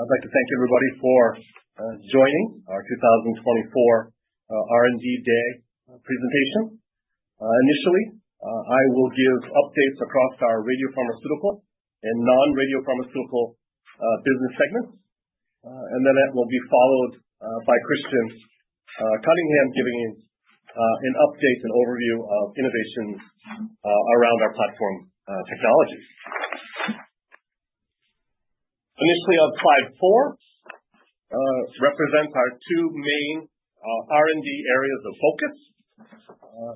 I'd like to thank everybody for joining our 2024 R&D Day presentation. Initially, I will give updates across our radiopharmaceutical and non-radiopharmaceutical business segments, and then that will be followed by Christian Cunningham giving an update and overview of innovations around our platform technologies. Initially, slide four represents our two main R&D areas of focus,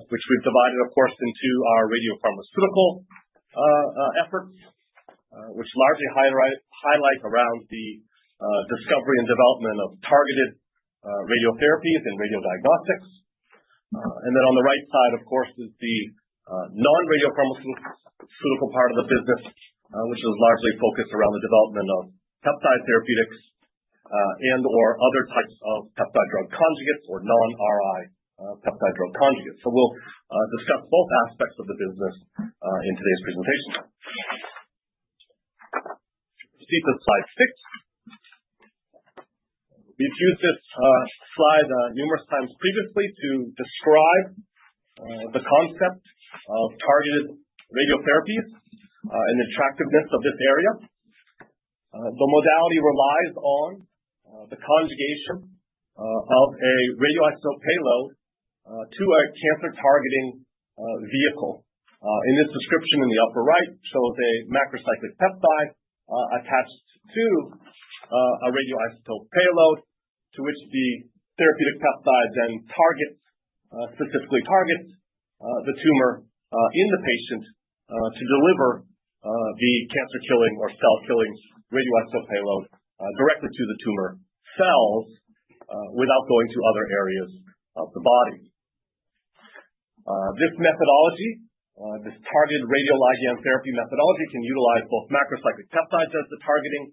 which we've divided, of course, into our radiopharmaceutical efforts, which largely revolve around the discovery and development of targeted radiotherapies and radiodiagnostics. Then on the right side, of course, is the non-radiopharmaceutical part of the business, which is largely focused around the development of peptide therapeutics and/or other types of peptide drug conjugates or non-RI peptide drug conjugates. We'll discuss both aspects of the business in today's presentation. Proceed to slide six. We've used this slide numerous times previously to describe the concept of targeted radiotherapies and the attractiveness of this area. The modality relies on the conjugation of a radioisotope payload to a cancer-targeting vehicle. In this description, in the upper right, shows a macrocyclic peptide attached to a radioisotope payload, to which the therapeutic peptide then targets, specifically targets the tumor in the patient to deliver the cancer-killing or cell-killing radioisotope payload directly to the tumor cells without going to other areas of the body. This methodology, this targeted radioligand therapy methodology, can utilize both macrocyclic peptides as the targeting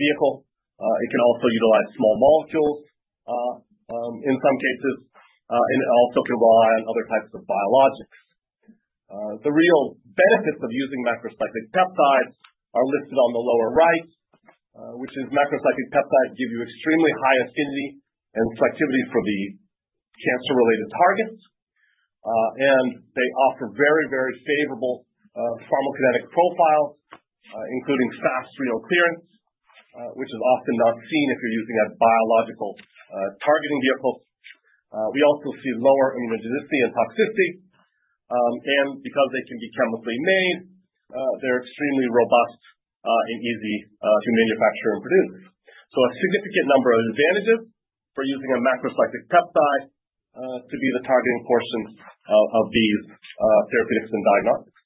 vehicle. It can also utilize small molecules in some cases, and it also can rely on other types of biologics. The real benefits of using macrocyclic peptides are listed on the lower right, which is macrocyclic peptides give you extremely high affinity and selectivity for the cancer-related targets, and they offer very, very favorable pharmacokinetic profiles, including fast renal clearance, which is often not seen if you're using a biological targeting vehicle. We also see lower immunogenicity and toxicity, and because they can be chemically made, they're extremely robust and easy to manufacture and produce, so a significant number of advantages for using a macrocyclic peptide to be the targeting portion of these therapeutics and diagnostics.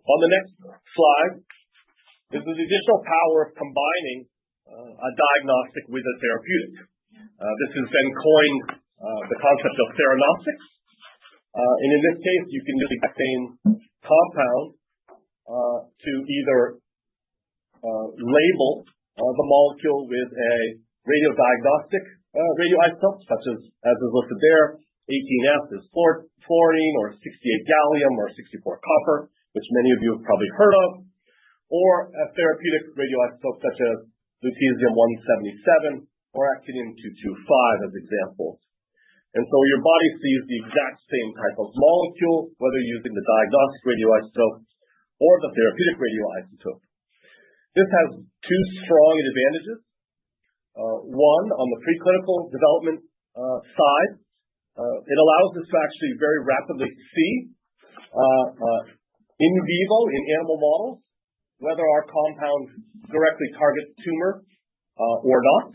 On the next slide, there's an additional power of combining a diagnostic with a therapeutic. This has been coined the concept of theranostics. In this case, you can use the same compound to either label the molecule with a radiodiagnostic radioisotope, such as, as is listed there, 18F is fluorine, or 68Ga, or 64Cu, which many of you have probably heard of, or a therapeutic radioisotope such as 177Lu or 225Ac as examples. Your body sees the exact same type of molecule, whether using the diagnostic radioisotope or the therapeutic radioisotope. This has two strong advantages. One, on the preclinical development side, it allows us to actually very rapidly see in vivo, in animal models, whether our compound directly targets tumor or not,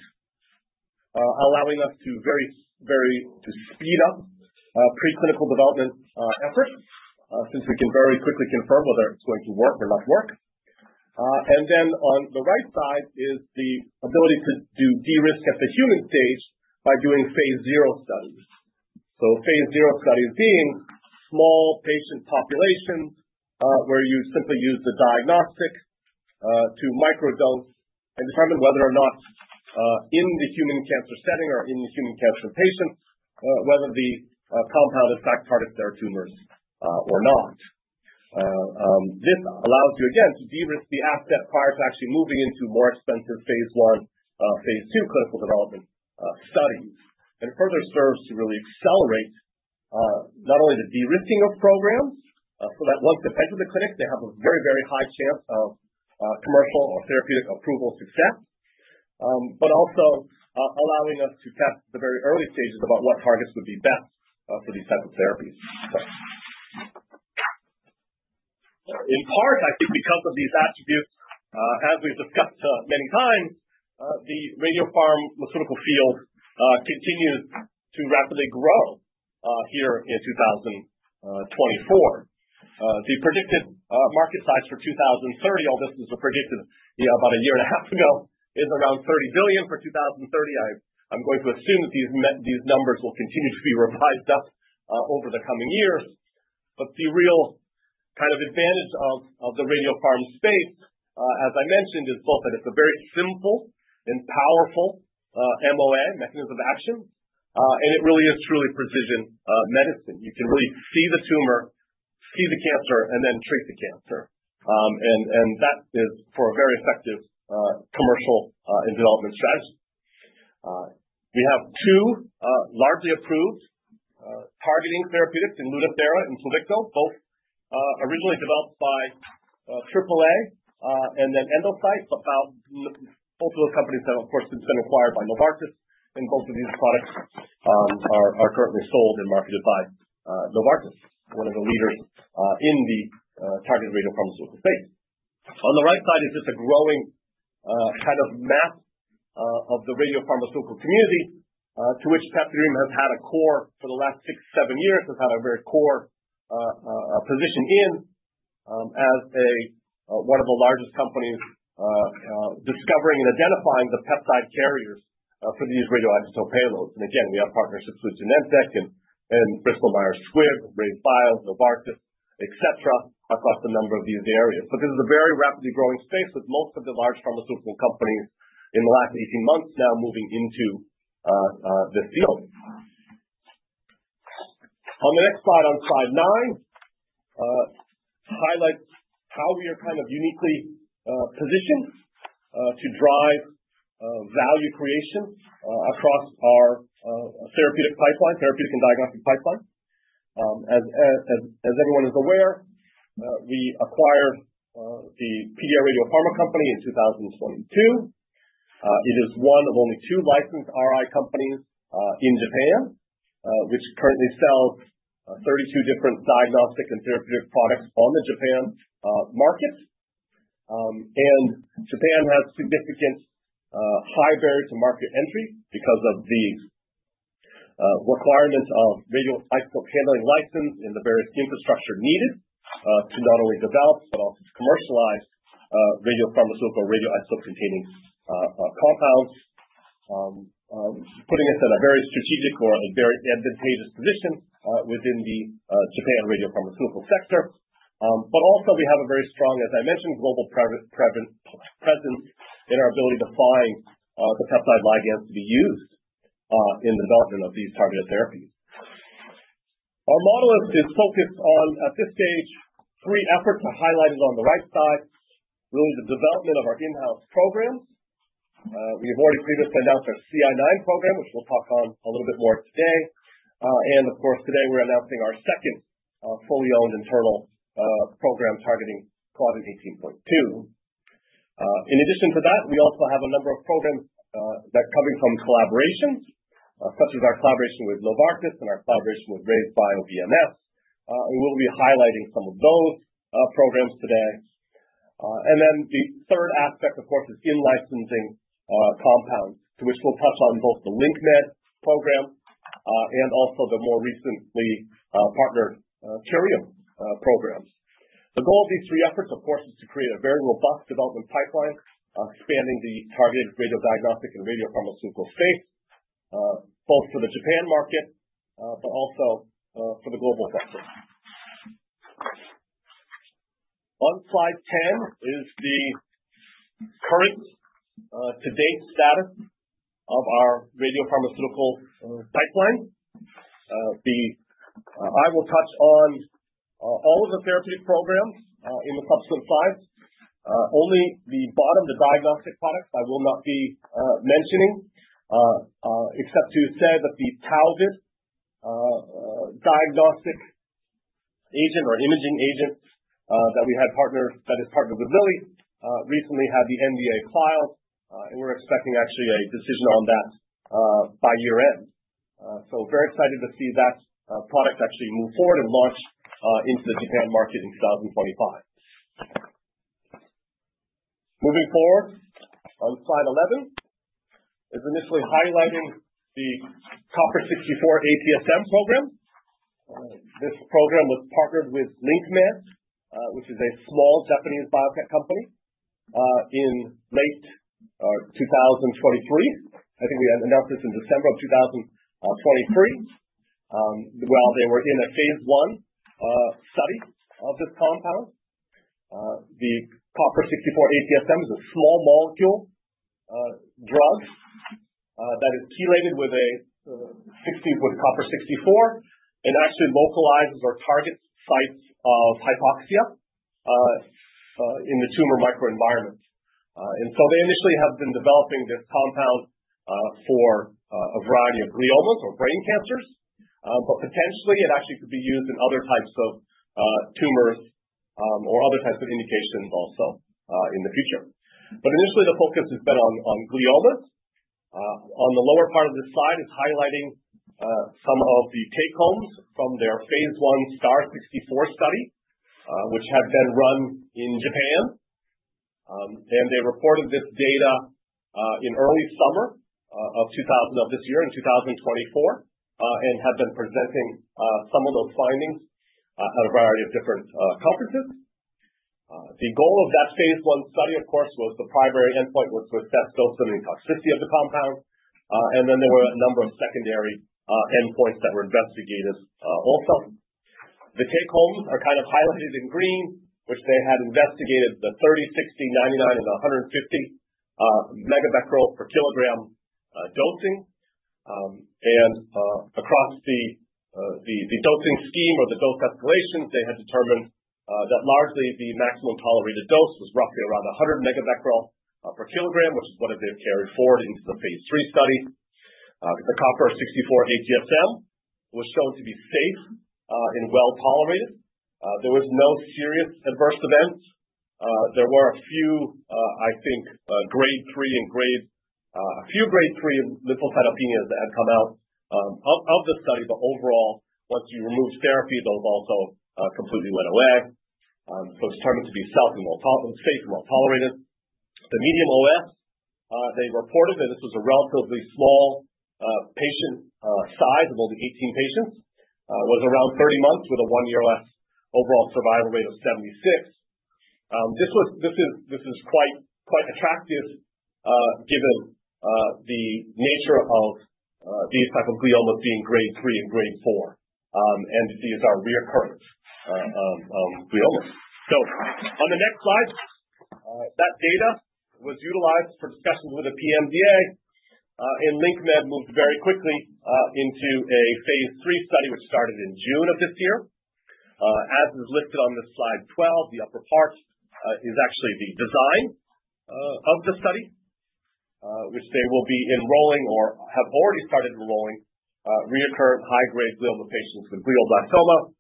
allowing us to very, very to speed up preclinical development efforts since we can very quickly confirm whether it's going to work or not work. And then on the right side is the ability to do de-risk at the human stage by doing phase zero studies. So phase zero studies being small patient populations where you simply use the diagnostic to microdose and determine whether or not in the human cancer setting or in the human cancer patient, whether the compound in fact targets their tumors or not. This allows you, again, to de-risk the asset prior to actually moving into more expensive phase I, phase II clinical development studies. And it further serves to really accelerate not only the de-risking of programs so that once they're fed to the clinic, they have a very, very high chance of commercial or therapeutic approval success, but also allowing us to test the very early stages about what targets would be best for these types of therapies. In part, I think because of these attributes, as we've discussed many times, the radiopharmaceutical field continues to rapidly grow here in 2024. The predicted market size for 2030, all this was predicted about a year and a half ago, is around $30 billion for 2030. I'm going to assume that these numbers will continue to be revised up over the coming years, but the real kind of advantage of the radiopharma space, as I mentioned, is both that it's a very simple and powerful MOA, mechanism of action, and it really is truly precision medicine. You can really see the tumor, see the cancer, and then treat the cancer, and that is for a very effective commercial and development strategy. We have two largely approved targeting therapeutics in LUTATHERA and PLUVICTO, both originally developed by AAA and then Endocyte, but both of those companies have, of course, been acquired by Novartis, and both of these products are currently sold and marketed by Novartis, one of the leaders in the targeted radiopharmaceutical space. On the right side is just a growing kind of map of the radiopharmaceutical community to which PeptiDream has had a core for the last six, seven years, has had a very core position in as one of the largest companies discovering and identifying the peptide carriers for these radioisotope payloads, and again, we have partnerships with Genentech and Bristol Myers Squibb, RayzeBio, Novartis, et cetera, across a number of these areas, but this is a very rapidly growing space with most of the large pharmaceutical companies in the last 18 months now moving into this field. On the next slide, on slide nine, highlights how we are kind of uniquely positioned to drive value creation across our therapeutic pipeline, therapeutic and diagnostic pipeline. As everyone is aware, we acquired the PDRadiopharma Company in 2022. It is one of only two licensed RI companies in Japan, which currently sells 32 different diagnostic and therapeutic products on the Japan market, and Japan has significant high barriers to market entry because of the requirement of radioisotope handling license and the various infrastructure needed to not only develop but also to commercialize radiopharmaceutical, radioisotope-containing compounds, putting us in a very strategic or a very advantageous position within the Japan radiopharmaceutical sector, but also we have a very strong, as I mentioned, global presence in our ability to find the peptide ligands to be used in the development of these targeted therapies. Our model is focused on, at this stage, three efforts. I highlighted on the right side, really the development of our in-house programs. We have already previously announced our CA9 program, which we'll talk on a little bit more today. And of course, today we're announcing our second fully owned internal program targeting Claudin 18.2. In addition to that, we also have a number of programs that are coming from collaborations, such as our collaboration with Novartis and our collaboration with RayzeBio, BMS. And we'll be highlighting some of those programs today. And then the third aspect, of course, is in-licensing compounds, to which we'll touch on both the LinqMed program and also the more recently partnered Curium programs. The goal of these three efforts, of course, is to create a very robust development pipeline expanding the targeted radiodiagnostic and radiopharmaceutical space, both for the Japan market but also for the global market. On slide 10 is the current to-date status of our radiopharmaceutical pipeline. I will touch on all of the therapeutic programs in the subsequent slides. Only the bottom, the diagnostic products, I will not be mentioning, except to say that the Tauvid diagnostic agent or imaging agent that we had partnered with Lilly recently had the NDA filed, and we're expecting actually a decision on that by year-end, so very excited to see that product actually move forward and launch into the Japan market in 2025. Moving forward, on slide 11 is initially highlighting the 64Cu-ATSM program. This program was partnered with LinqMed, which is a small Japanese biotech company, in late 2023. I think we announced this in December of 2023 while they were in a phase I study of this compound. The 64Cu-ATSM is a small molecule drug that is chelated with 64Cu and actually localizes or targets sites of hypoxia in the tumor microenvironment, so they initially have been developing this compound for a variety of gliomas or brain cancers, but potentially it actually could be used in other types of tumors or other types of indications also in the future, but initially, the focus has been on gliomas. On the lower part of this slide is highlighting some of the take homes from their phase I START64 study, which had been run in Japan. They reported this data in early summer of this year in 2024 and have been presenting some of those findings at a variety of different conferences. The goal of that phase I study, of course, was the primary endpoint to assess dose limiting toxicity of the compound. Then there were a number of secondary endpoints that were investigated also. The take homes are kind of highlighted in green, which they had investigated the 30, 60, 99, and 150 megabecquerel per kilogram dosing. And across the dosing scheme or the dose escalations, they had determined that largely the maximum tolerated dose was roughly around 100 megabecquerel per kilogram, which is what they've carried forward into the phase III study. The 64Cu-ATSM was shown to be safe and well tolerated. There was no serious adverse events. There were a few, I think, Grade 3 and a few Grade 3 lymphocytopenias that had come out of the study, but overall, once you remove therapy, those also completely went away. It was determined to be safe and well tolerated. The median OS, they reported that this was a relatively small patient size of only 18 patients, was around 30 months with a one-year OS overall survival rate of 76%. This is quite attractive given the nature of these types of gliomas being Grade 3 and Grade 4, and these are recurrent gliomas. On the next slide, that data was utilized for discussions with the PMDA, and LinqMed moved very quickly into a phase III study, which started in June of this year. As is listed on this slide 12, the upper part is actually the design of the study, which they will be enrolling or have already started enrolling recurrent high-grade glioma patients with glioblastoma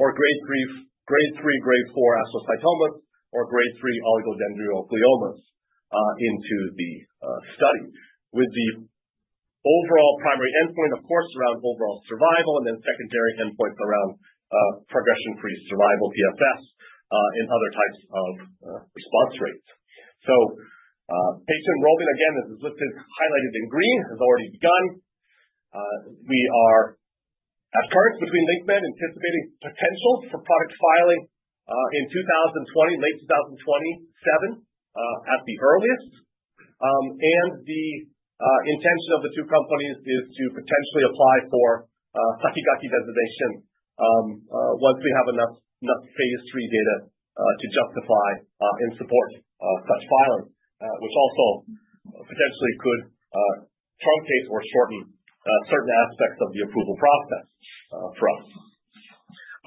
or Grade 3, Grade 4 astrocytomas, or Grade 3 oligodendrogliomas into the study, with the overall primary endpoint, of course, around overall survival and then secondary endpoints around progression-free survival, PFS, and other types of response rates. So patient enrollment, again, as is highlighted in green, has already begun. We are at current between LinqMed anticipating potential for product filing in 2020, late 2027 at the earliest. And the intention of the two companies is to potentially apply for SAKIGAKE designation once we have enough phase III data to justify and support such filing, which also potentially could truncate or shorten certain aspects of the approval process for us.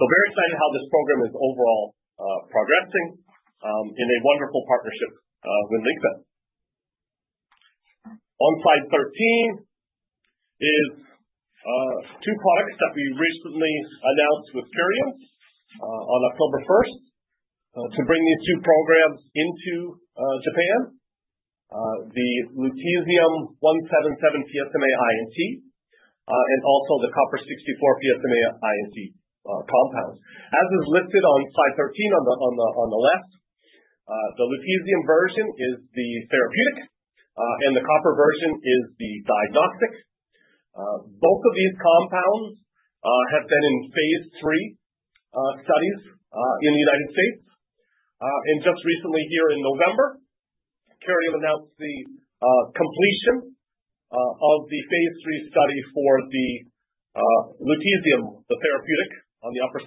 Very excited how this program is overall progressing in a wonderful partnership with LinqMed. On slide 13 are two products that we recently announced with Curium on October 1st to bring these two programs into Japan, the 177Lu-PSMA-I&T and also the 64Cu-PSMA-I&T compounds. As is listed on slide 13 on the left, the lutetium version is the therapeutic and the copper version is the diagnostic. Both of these compounds have been in phase III studies in the United States. Just recently here in November, Curium announced the completion of the phase III study for the Lutetium, the therapeutic on the upper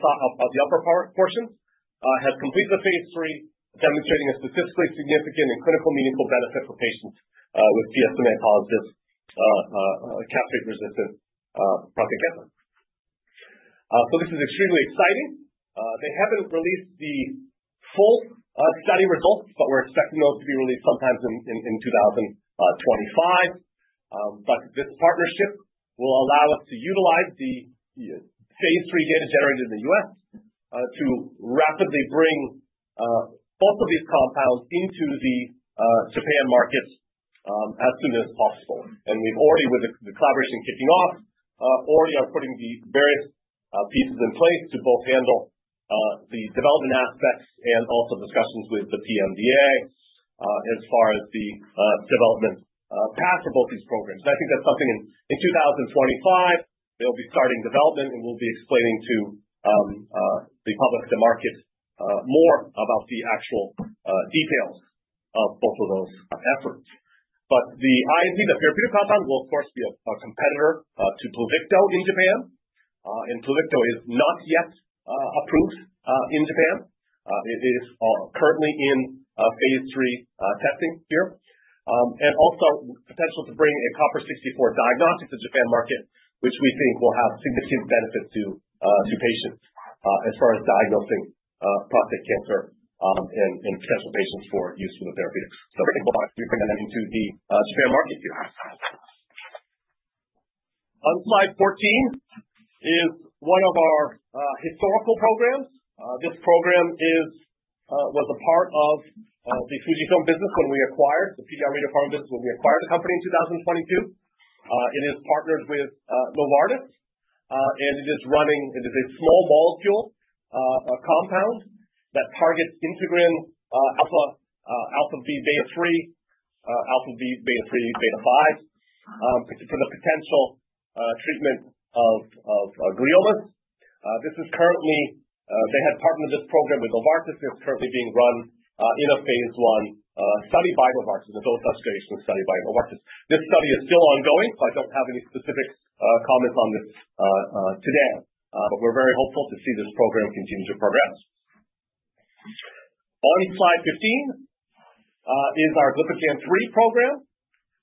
portions, has completed the phase III demonstrating a statistically significant and clinically meaningful benefit for patients with PSMA-positive castration-resistant prostate cancer. This is extremely exciting. They haven't released the full study results, but we're expecting those to be released sometime in 2025. But this partnership will allow us to utilize the phase III data generated in the U.S. to rapidly bring both of these compounds into the Japan market as soon as possible. And we've already, with the collaboration kicking off, are putting the various pieces in place to both handle the development aspects and also discussions with the PMDA as far as the development path for both these programs. And I think that's something in 2025, they'll be starting development and we'll be explaining to the public, the market, more about the actual details of both of those efforts. But the I&T, the therapeutic compound, will of course be a competitor to PLUVICTO in Japan. And PLUVICTO is not yet approved in Japan. It is currently in phase III testing here. And also potential to bring a Copper-64 diagnostic to the Japan market, which we think will have significant benefit to patients as far as diagnosing prostate cancer and potential patients for use with the therapeutics. So think about bringing that into the Japan market here. On slide 14 is one of our historical programs. This program was a part of the Fujifilm business when we acquired the PDRadiopharma business when we acquired the company in 2022. It is partnered with Novartis, and it is running. It is a small molecule compound that targets Integrin alpha-v beta-3/beta-5 for the potential treatment of gliomas. They had partnered this program with Novartis. It is currently being run in a phase I study by Novartis, an associated study by Novartis. This study is still ongoing, so I don't have any specific comments on this today, but we're very hopeful to see this program continue to progress. On slide 15 is our Glypican-3 program.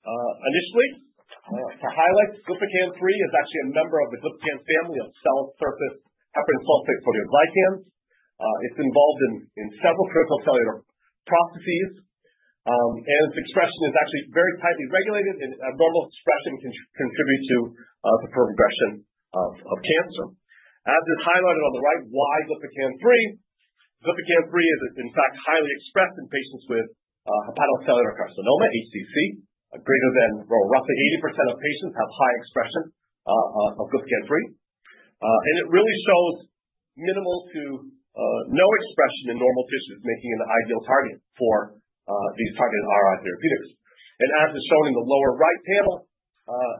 Initially, to highlight, Glypican-3 is actually a member of the Glypican family of cell surface heparan sulfate proteoglycans. It's involved in several critical cellular processes, and its expression is actually very tightly regulated, and abnormal expression can contribute to the progression of cancer. As is highlighted on the right, why Glypican-3? Glypican-3 is, in fact, highly expressed in patients with hepatocellular carcinoma, HCC. Greater than roughly 80% of patients have high expression of Glypican-3. It really shows minimal to no expression in normal tissues, making it an ideal target for these targeted RI therapeutics. As is shown in the lower right panel,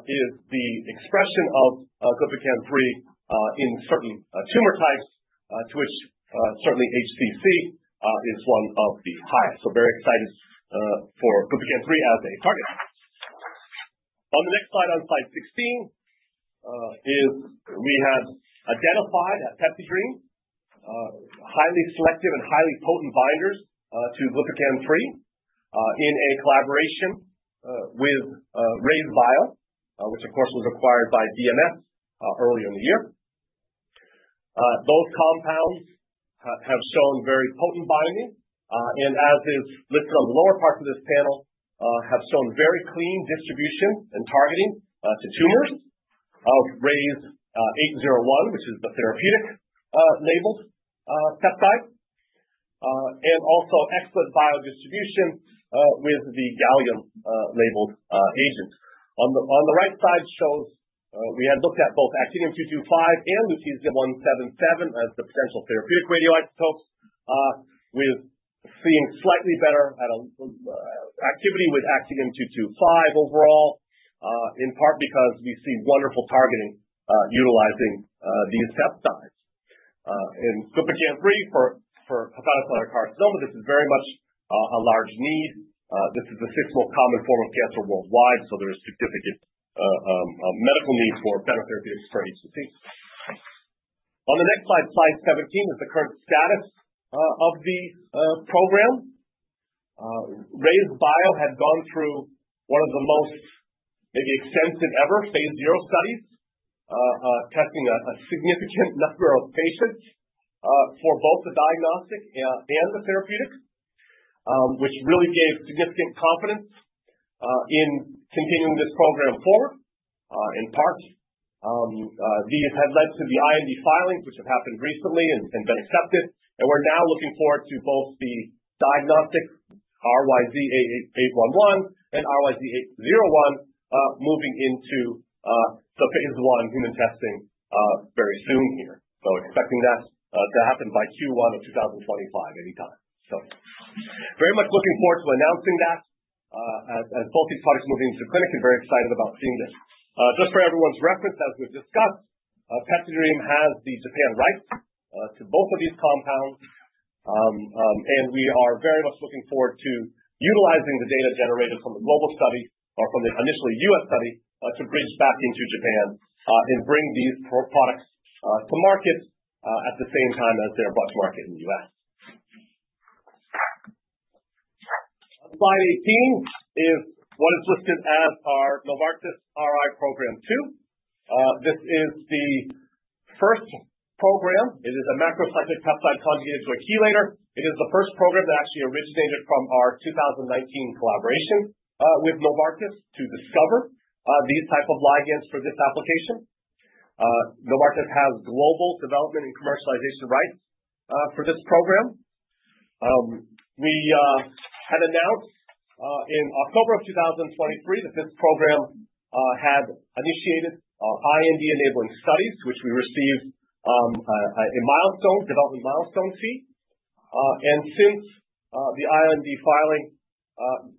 is the expression of Glypican-3 in certain tumor types, to which certainly HCC is one of the highest. Very excited for Glypican-3 as a target. On the next slide on slide 16 is we have identified at PeptiDream highly selective and highly potent binders to Glypican-3 in a collaboration with RayzeBio, which of course was acquired by BMS earlier in the year. Those compounds have shown very potent binding, and as is listed on the lower parts of this panel, have shown very clean distribution and targeting to tumors of RYZ801, which is the therapeutic-labeled peptide, and also excellent biodistribution with the gallium-labeled agent. On the right side shows, we had looked at both Actinium-225 and Lutetium-177 as the potential therapeutic radioisotopes, with seeing slightly better activity with Actinium-225 overall, in part because we see wonderful targeting utilizing these peptides. Glypican-3 for hepatocellular carcinoma, this is very much a large need. This is the sixth most common form of cancer worldwide, so there is significant medical need for better therapeutics for HCC. On the next slide, slide 17 is the current status of the program. RayzeBio had gone through one of the most maybe extensive ever phase 0 studies, testing a significant number of patients for both the diagnostic and the therapeutic, which really gave significant confidence in continuing this program forward. In part, these had led to the IND filings, which have happened recently and been accepted. We're now looking forward to both the diagnostic RYZ811 and RYZ801 moving into the phase I human testing very soon here. Expecting that to happen by Q1 of 2025 anytime. Very much looking forward to announcing that as both these products move into the clinic and very excited about seeing this. Just for everyone's reference, as we've discussed, PeptiDream has the Japan rights to both of these compounds, and we are very much looking forward to utilizing the data generated from the global study or from the initial U.S. study to bridge back into Japan and bring these products to market at the same time as they're brought to market in the U.S. On slide 18 is what is listed as our Novartis RI Program #2. This is the first program. It is a macrocyclic peptide conjugated to a chelator. It is the first program that actually originated from our 2019 collaboration with Novartis to discover these types of ligands for this application. Novartis has global development and commercialization rights for this program. We had announced in October of 2023 that this program had initiated IND-enabling studies, which we received a development milestone fee, and since the IND filing,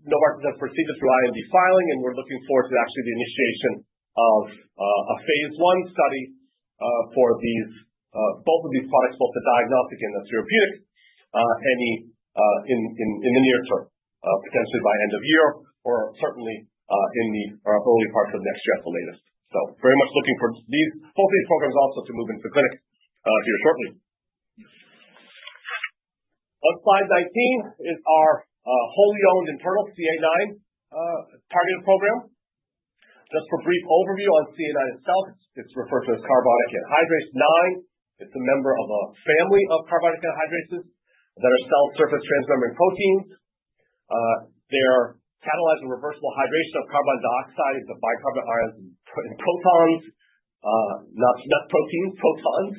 Novartis has proceeded through IND filing, and we're looking forward to actually the initiation of a phase I study for both of these products, both the diagnostic and the therapeutic, in the near term, potentially by end of year or certainly in the early parts of next year at the latest, so very much looking for both these programs also to move into the clinic here shortly. On slide 19 is our wholly owned internal CA9 targeted program. Just for brief overview on CA9 itself, it's referred to as carbonic anhydrase 9. It's a member of a family of carbonic anhydrases that are cell surface transmembrane proteins. They are catalyzed with reversible hydration of carbon dioxide into bicarbonate ions and protons, not proteins, protons.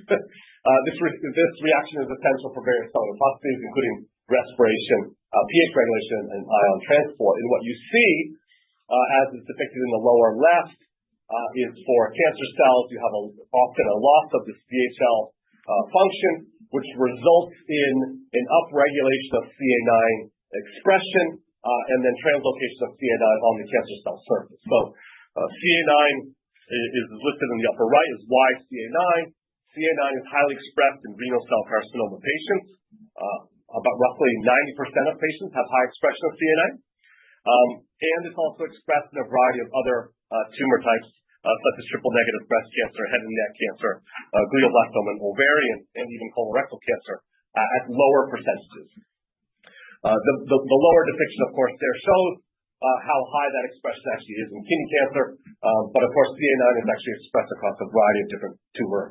This reaction is essential for various cellular processes, including respiration, pH regulation, and ion transport. And what you see, as is depicted in the lower left, is for cancer cells, you have often a loss of this VHL function, which results in an upregulation of CA9 expression and then translocation of CA9 on the cancer cell surface. So CA9 is listed in the upper right is why CA9. CA9 is highly expressed in renal cell carcinoma patients. About roughly 90% of patients have high expression of CA9. It's also expressed in a variety of other tumor types, such as triple negative breast cancer, head and neck cancer, glioblastoma, and ovarian, and even colorectal cancer at lower percentages. The lower depiction, of course, there shows how high that expression actually is in kidney cancer, but of course, CA9 is actually expressed across a variety of different tumor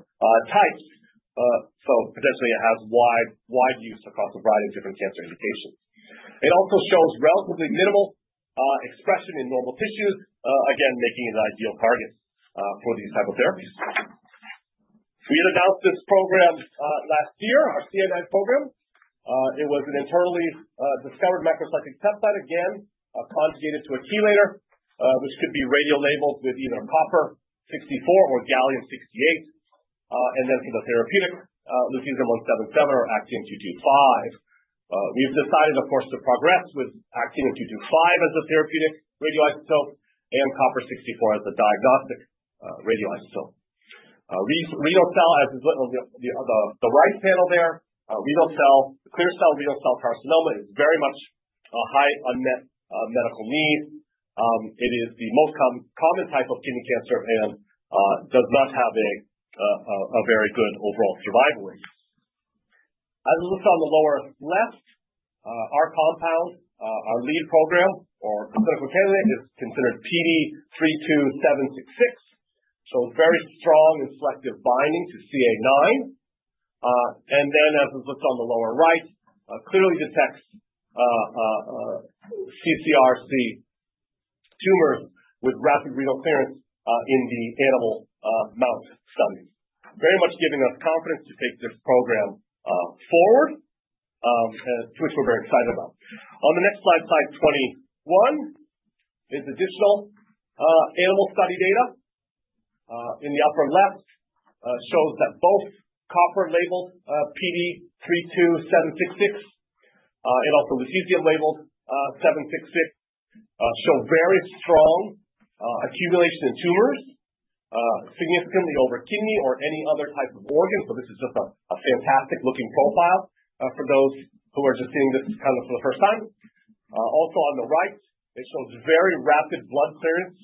types. So potentially it has wide use across a variety of different cancer indications. It also shows relatively minimal expression in normal tissues, again, making it an ideal target for these types of therapies. We had announced this program last year, our CA9 program. It was an internally discovered macrocyclic peptide, again, conjugated to a chelator, which could be radio-labeled with either Copper-64 or Gallium-68, and then for the therapeutic, Lutetium-177 or Actinium-225. We've decided, of course, to progress with Actinium-225 as the therapeutic radioisotope and Copper-64 as the diagnostic radioisotope. Renal cell, as is the right panel there, renal cell, clear cell renal cell carcinoma is very much a high unmet medical need. It is the most common type of kidney cancer and does not have a very good overall survival rate. As we looked on the lower left, our compound, our lead program or clinical candidate is considered PD-32766. Shows very strong and selective binding to CA9. Then, as we looked on the lower right, clearly detects ccRCC tumors with rapid renal clearance in the animal mouse studies. Very much giving us confidence to take this program forward, to which we're very excited about. On the next slide, slide 21 is additional animal study data. In the upper left, it shows that both copper-labeled PD-32766 and also lutetium-labeled PD-32766 show very strong accumulation in tumors, significantly over kidney or any other type of organ, so this is just a fantastic looking profile for those who are just seeing this kind of for the first time. Also on the right, it shows very rapid blood clearance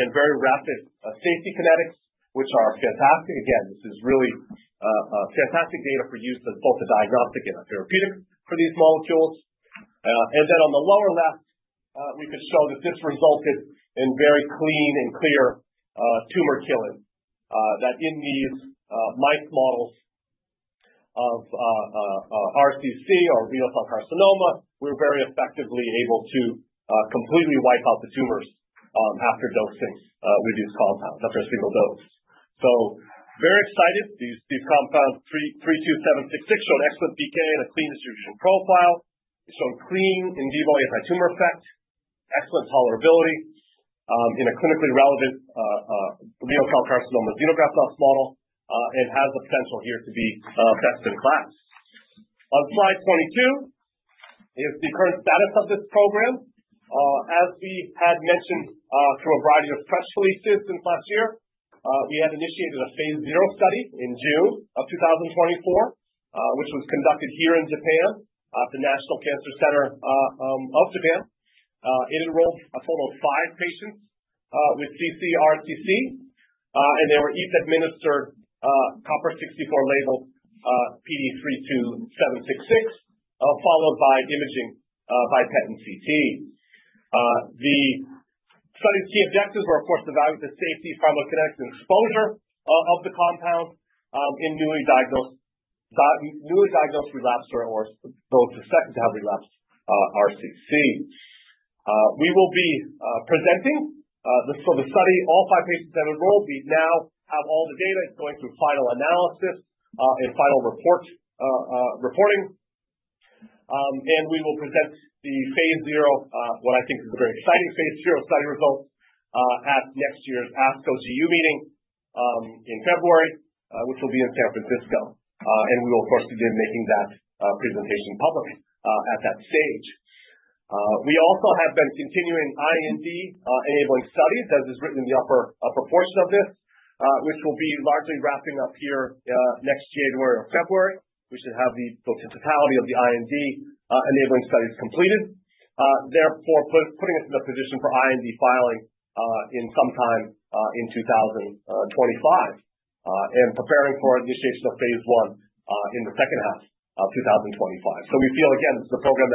and very rapid safety kinetics, which are fantastic. Again, this is really fantastic data for use as both a diagnostic and a therapeutic for these molecules, and then on the lower left, we could show that this resulted in very clean and clear tumor killing that in these mice models of RCC or renal cell carcinoma, we were very effectively able to completely wipe out the tumors after dosing with these compounds, after a single dose, so very excited. These compounds, PD-32766, show an excellent PK and a clean distribution profile. It's shown clean in vivo anti-tumor effect, excellent tolerability in a clinically relevant renal cell carcinoma xenograft mouse model, and has the potential here to be best-in-class. On slide 22 is the current status of this program. As we had mentioned through a variety of press releases since last year, we had initiated a phase zero study in June of 2024, which was conducted here in Japan at the National Cancer Center of Japan. It enrolled a total of five patients with ccRCC, and they were each administered Copper-64-labeled PD-32766, followed by imaging by PET and CT. The study's key objectives were, of course, to evaluate the safety, pharmacokinetics, and exposure of the compound in newly diagnosed relapsers or those suspected to have relapsed RCC. We will be presenting for the study all five patients that enrolled. We now have all the data. It's going through final analysis and final reporting, and we will present the phase zero, what I think is a very exciting phase zero study results at next year's ASCO GU meeting in February, which will be in San Francisco, and we will, of course, begin making that presentation public at that stage. We also have been continuing IND-enabling studies, as is written in the upper portion of this, which will be largely wrapping up here next January or February. We should have the full totality of the IND-enabling studies completed, therefore putting us in the position for IND filing in sometime in 2025 and preparing for initiation of phase I in the second half of 2025. So we feel, again, this is a program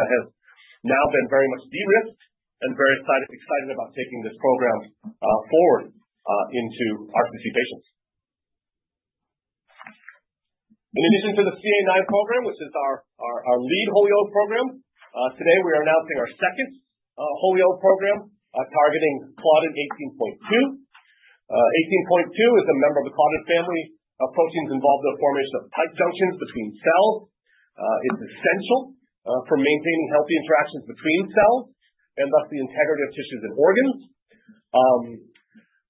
that has now been very much de-risked and very excited about taking this program forward into RCC patients. In addition to the CA9 program, which is our lead wholly owned program, today we are announcing our second wholly owned program targeting Claudin 18.2; 18.2 is a member of the Claudin family of proteins involved in the formation of tight junctions between cells. It's essential for maintaining healthy interactions between cells and thus the integrity of tissues and organs.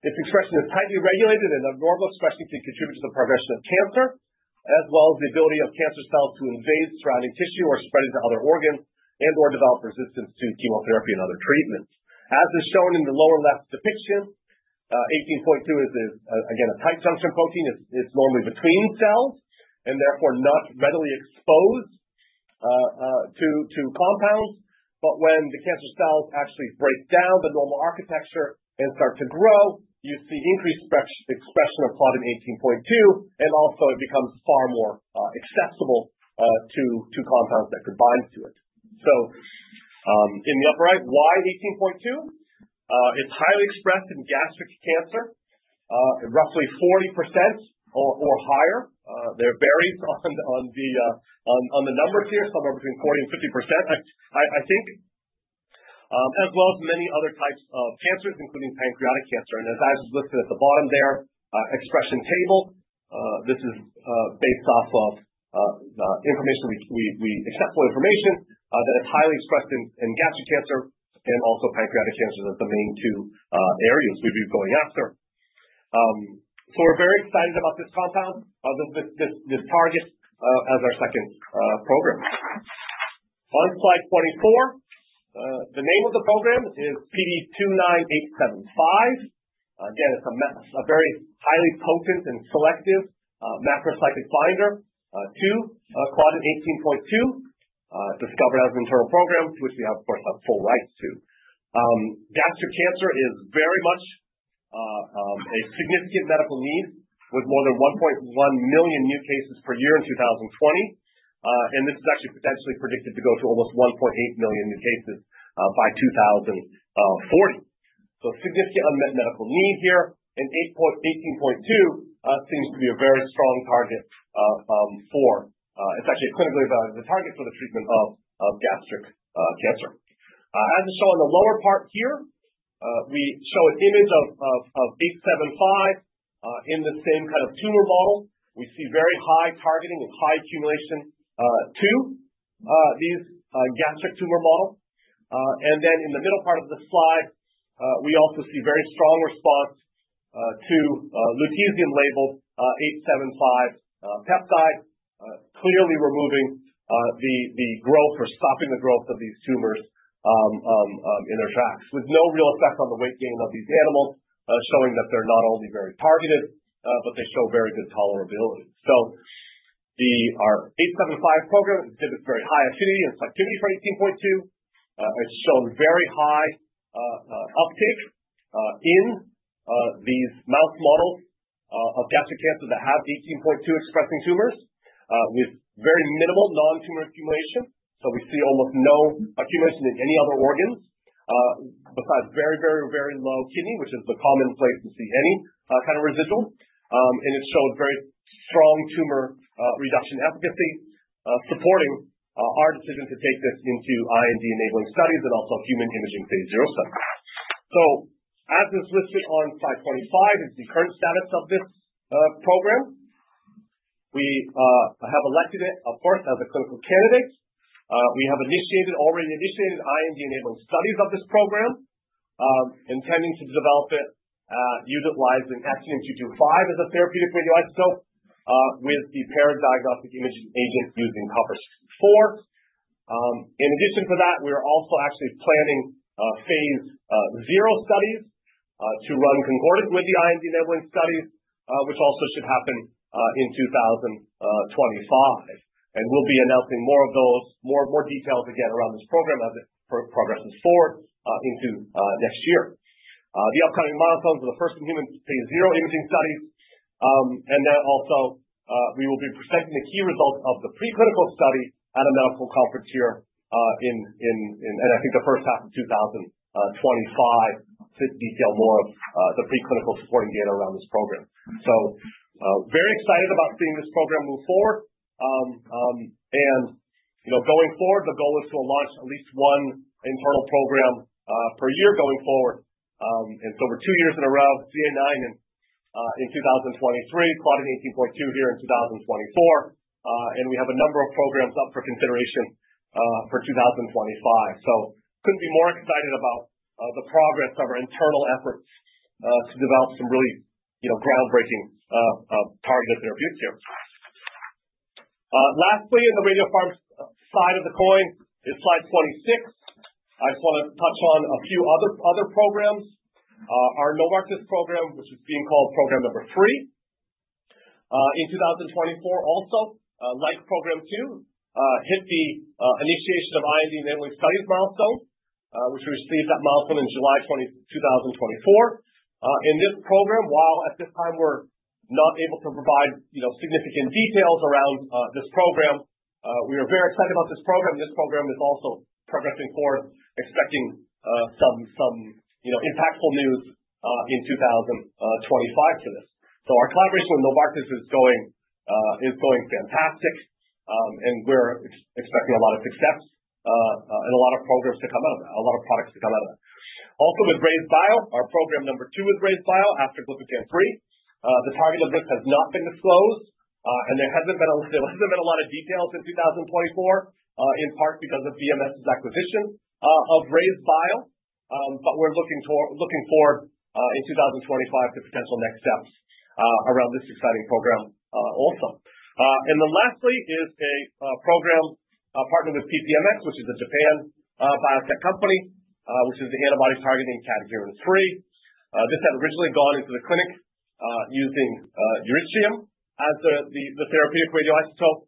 Its expression is tightly regulated, and abnormal expression can contribute to the progression of cancer, as well as the ability of cancer cells to invade surrounding tissue or spread into other organs and/or develop resistance to chemotherapy and other treatments. As is shown in the lower left depiction, 18.2 is, again, a tight junction protein. It's normally between cells and therefore not readily exposed to compounds. But when the cancer cells actually break down the normal architecture and start to grow, you see increased expression of Claudin 18.2, and also it becomes far more accessible to compounds that could bind to it. So in the upper right, why 18.2? It's highly expressed in gastric cancer, roughly 40% or higher. There are variations on the numbers here, somewhere between 40% and 50%, I think, as well as many other types of cancers, including pancreatic cancer. And as is listed at the bottom there, expression table, this is based off of available information that is highly expressed in gastric cancer and also pancreatic cancers as the main two areas we've been going after. So we're very excited about this compound, this target as our second program. On slide 24, the name of the program is PD-29875. Again, it's a very highly potent and selective macrocyclic binder, too. Claudin 18.2, discovered as an internal program, to which we have, of course, full rights to. Gastric cancer is very much a significant medical need with more than 1.1 million new cases per year in 2020, and this is actually potentially predicted to go to almost 1.8 million new cases by 2040, so significant unmet medical need here, and Claudin 18.2 seems to be a very strong target, for it's actually a clinically validated target for the treatment of gastric cancer. As is shown in the lower part here, we show an image of PD-29875 in the same kind of tumor model. We see very high targeting and high accumulation to these gastric tumor models. And then in the middle part of the slide, we also see very strong response to Lutetium-labeled 875 peptide, clearly removing the growth or stopping the growth of these tumors in their tracks with no real effect on the weight gain of these animals, showing that they're not only very targeted, but they show very good tolerability. So our 875 program exhibits very high affinity and selectivity for 18.2. It's shown very high uptake in these mouse models of gastric cancer that have 18.2 expressing tumors with very minimal non-tumor accumulation. So we see almost no accumulation in any other organs besides very, very, very low kidney, which is the common place to see any kind of residual. And it's shown very strong tumor reduction efficacy, supporting our decision to take this into IND-enabling studies and also human imaging phase zero studies. As is listed on slide 25 is the current status of this program. We have elected it, of course, as a clinical candidate. We have already initiated IND-enabling studies of this program, intending to develop it utilizing Actinium-225 as a therapeutic radioisotope with the paired diagnostic imaging agent using Copper-64. In addition to that, we are also actually planning phase zero studies to run concordant with the IND-enabling studies, which also should happen in 2025. We'll be announcing more of those, more details again around this program as it progresses forward into next year. The upcoming milestones are the first in human phase zero imaging studies. And then also we will be presenting the key results of the preclinical study at a medical conference here in, and I think the first half of 2025 to detail more of the preclinical supporting data around this program. So very excited about seeing this program move forward. And going forward, the goal is to launch at least one internal program per year going forward. And so we're two years in a row, CA9 in 2023, Claudin 18.2 here in 2024. And we have a number of programs up for consideration for 2025. So couldn't be more excited about the progress of our internal efforts to develop some really groundbreaking targeted therapeutics here. Lastly, in the radiopharm side of the coin is slide 26. I just want to touch on a few other programs. Our Novartis program, which is being called Program #3 in 2024, also like Program #2, hit the initiation of IND-enabling studies milestone, which we received that milestone in July 2024. In this program, while at this time we're not able to provide significant details around this program, we are very excited about this program. This program is also progressing forward, expecting some impactful news in 2025 for this. So our collaboration with Novartis is going fantastic, and we're expecting a lot of success and a lot of programs to come out of that, a lot of products to come out of that. Also with RayzeBio, our Program #2 is RayzeBio after Glypican-3. The target of this has not been disclosed, and there hasn't been a lot of details in 2024, in part because of BMS's acquisition of RayzeBio. We're looking forward in 2025 to potential next steps around this exciting program also. Then lastly is a program partnered with PPMX, which is a Japan biotech company, which is the antibody targeting cadherin 3. This had originally gone into the clinic using yttrium as the therapeutic radioisotope,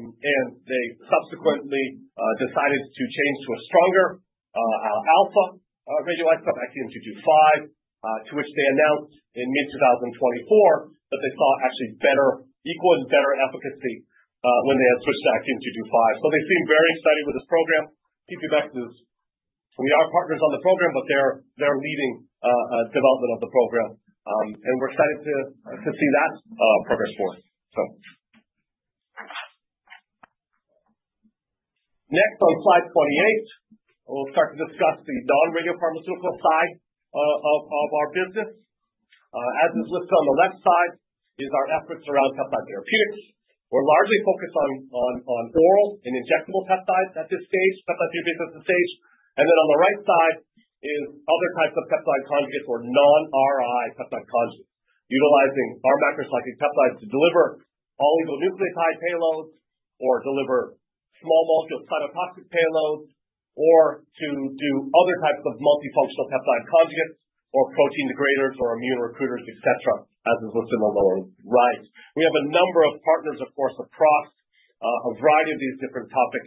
and they subsequently decided to change to a stronger alpha radioisotope, Actinium-225, to which they announced in mid-2024 that they saw actually equal and better efficacy when they had switched to Actinium-225. So they seem very excited with this program. PPMX is, we are partners on the program, but they're leading development of the program, and we're excited to see that progress forward, so. Next, on slide 28, we'll start to discuss the non-radiopharmaceutical side of our business. As is listed on the left side is our efforts around peptide therapeutics. We're largely focused on oral and injectable peptides at this stage, peptide therapeutics at this stage. And then on the right side is other types of peptide conjugates or non-RI peptide conjugates, utilizing our macrocyclic peptides to deliver oligonucleotide payloads or deliver small molecule cytotoxic payloads or to do other types of multifunctional peptide conjugates or protein degraders or immune recruiters, etc., as is listed on the right. We have a number of partners, of course, across a variety of these different topic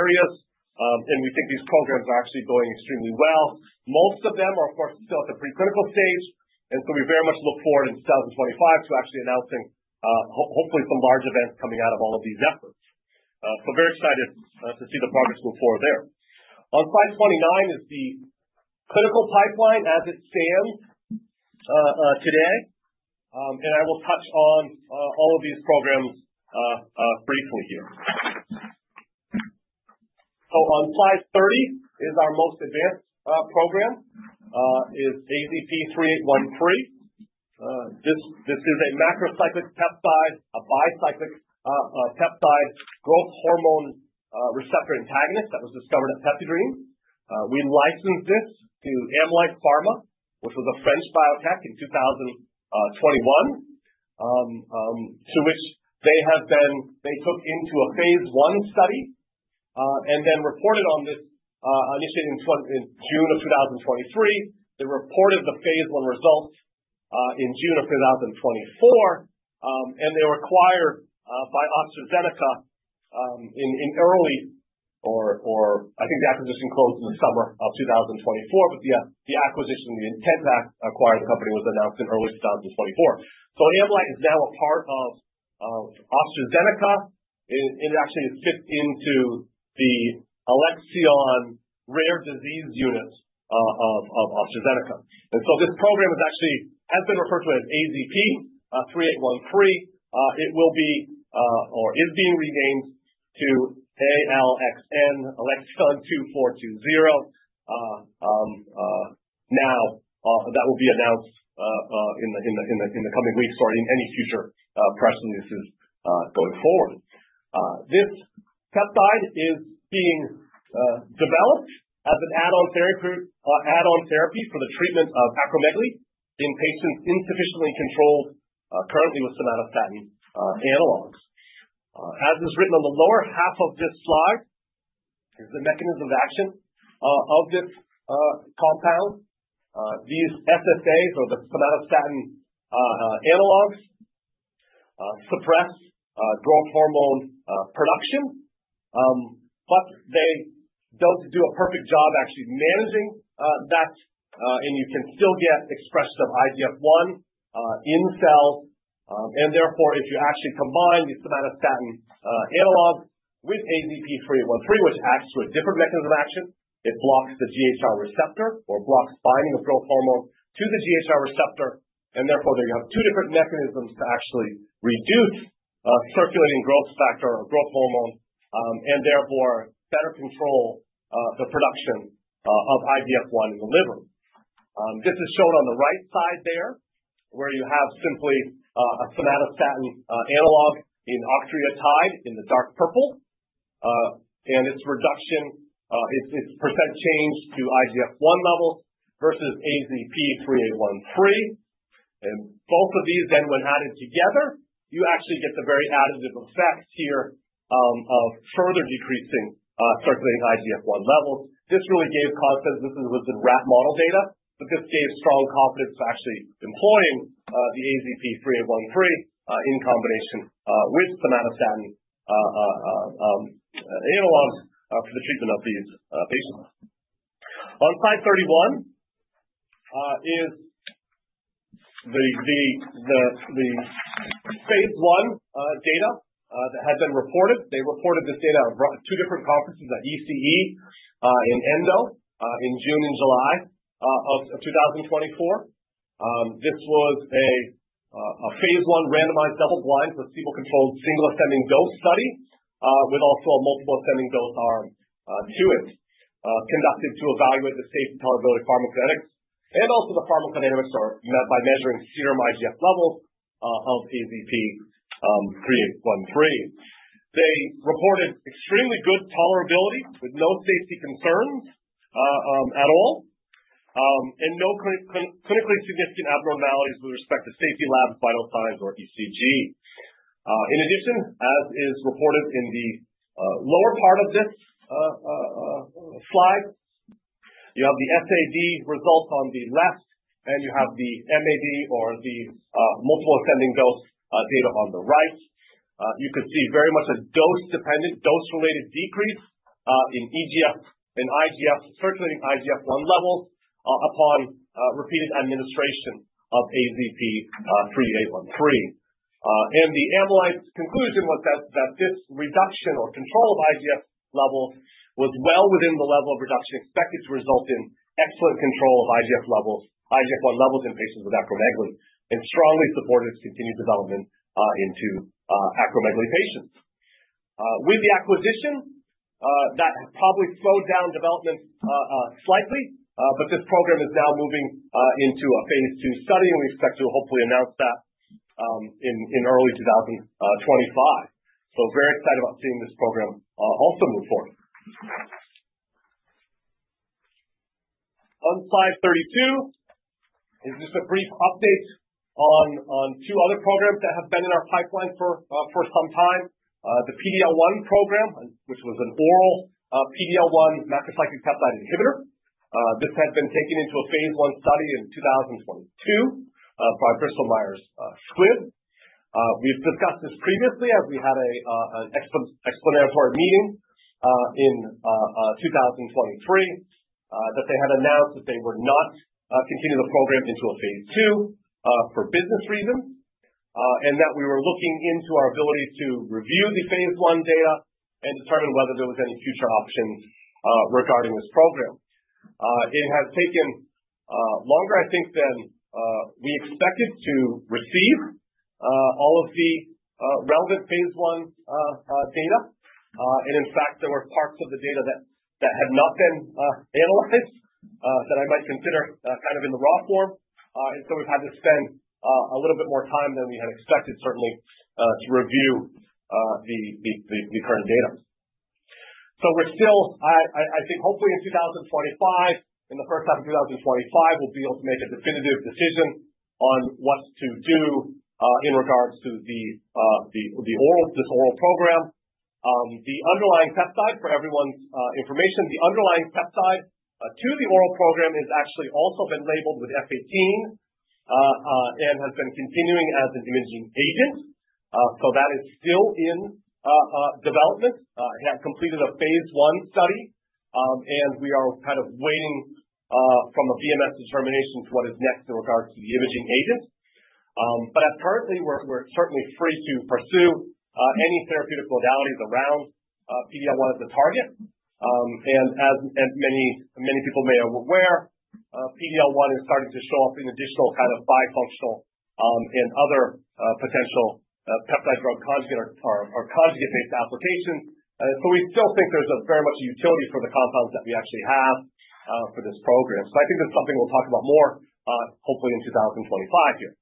areas, and we think these programs are actually going extremely well. Most of them are, of course, still at the preclinical stage. And so we very much look forward in 2025 to actually announcing hopefully some large events coming out of all of these efforts. So very excited to see the progress move forward there. On slide 29 is the clinical pipeline as it stands today, and I will touch on all of these programs briefly here. So on slide 30 is our most advanced program, is AZP-3813. This is a macrocyclic peptide, a bi-cyclic peptide growth hormone receptor antagonist that was discovered at PeptiDream. We licensed this to Amolyt Pharma, which was a French biotech in 2021, to which they took into a phase I study and then reported on this. Initiated in June of 2023, they reported the phase I results in June of 2024, and they were acquired by AstraZeneca in early, or I think the acquisition closed in the summer of 2024, but the acquisition, the intent to acquire the company was announced in early 2024. So Amolyt is now a part of AstraZeneca, and it actually is fit into the Alexion rare disease unit of AstraZeneca. And so this program has been referred to as AZP-3813. It will be or is being renamed to ALXN2420. Now that will be announced in the coming weeks or in any future press releases going forward. This peptide is being developed as an add-on therapy for the treatment of acromegaly in patients insufficiently controlled currently with somatostatin analogs. As is written on the lower half of this slide is the mechanism of action of this compound. These SSAs or the somatostatin analogs suppress growth hormone production, but they don't do a perfect job actually managing that, and you can still get expression of IGF-1 in cells. And therefore, if you actually combine the somatostatin analog with AZP-3813, which acts through a different mechanism of action, it blocks the GHR receptor or blocks binding of growth hormone to the GHR receptor. And therefore, they have two different mechanisms to actually reduce circulating growth factor or growth hormone and therefore better control the production of IGF-1 in the liver. This is shown on the right side there where you have simply a somatostatin analog in octreotide in the dark purple, and its reduction, its percent change to IGF-1 levels versus AZP-3813. And both of these then, when added together, you actually get the very additive effect here of further decreasing circulating IGF-1 levels. This really gave confidence. This was in rat model data, but this gave strong confidence to actually employing the AZP-3813 in combination with somatostatin analogs for the treatment of these patients. On slide 31 is the phase I data that had been reported. They reported this data at two different conferences at ECE and ENDO in June and July of 2024. This was a phase I randomized double-blind placebo-controlled single ascending dose study with also a multiple ascending dose arm to it conducted to evaluate the safety, tolerability, pharmacokinetics, and pharmacodynamics. Also, the pharmacokinetics and pharmacodynamics were assessed by measuring serum IGF-1 levels of AZP-3813. They reported extremely good tolerability with no safety concerns at all and no clinically significant abnormalities with respect to safety lab vital signs or ECG. In addition, as is reported in the lower part of this slide, you have the SAD results on the left, and you have the MAD or the multiple ascending dose data on the right. You could see very much a dose-dependent, dose-related decrease in circulating IGF-1 levels upon repeated administration of AZP-3813. The Amolyt conclusion was that this reduction or control of IGF levels was well within the level of reduction expected to result in excellent control of IGF-1 levels in patients with acromegaly and strongly supported its continued development into acromegaly patients. With the acquisition, that probably slowed down development slightly, but this program is now moving into a phase II study, and we expect to hopefully announce that in early 2025. We are very excited about seeing this program also move forward. On slide 32 is just a brief update on two other programs that have been in our pipeline for some time. The PD-L1 program, which was an oral PD-L1 macrocyclic peptide inhibitor. This had been taken into a phase I study in 2022 by Bristol Myers Squibb. We've discussed this previously as we had an explanatory meeting in 2023 that they had announced that they were not continuing the program into a phase II for business reasons and that we were looking into our ability to review the phase I data and determine whether there was any future option regarding this program. It has taken longer, I think, than we expected to receive all of the relevant phase I data, and in fact, there were parts of the data that had not been analyzed that I might consider kind of in the raw form, and so we've had to spend a little bit more time than we had expected, certainly, to review the current data, so we're still, I think, hopefully in 2025, in the first half of 2025, we'll be able to make a definitive decision on what to do in regards to this oral program. The underlying peptide, for everyone's information, the underlying peptide to the oral program has actually also been-labeled with 18F and has been continuing as an imaging agent, so that is still in development. It had completed a phase I study, and we are kind of waiting for a BMS determination to what is next in regards to the imaging agent, but currently, we're certainly free to pursue any therapeutic modalities around PD-L1 as a target, and as many people may be aware, PD-L1 is starting to show up in additional kind of bi-functional and other potential peptide drug conjugate or conjugate-based applications, so we still think there's very much a utility for the compounds that we actually have for this program, so I think this is something we'll talk about more, hopefully in 2025 here.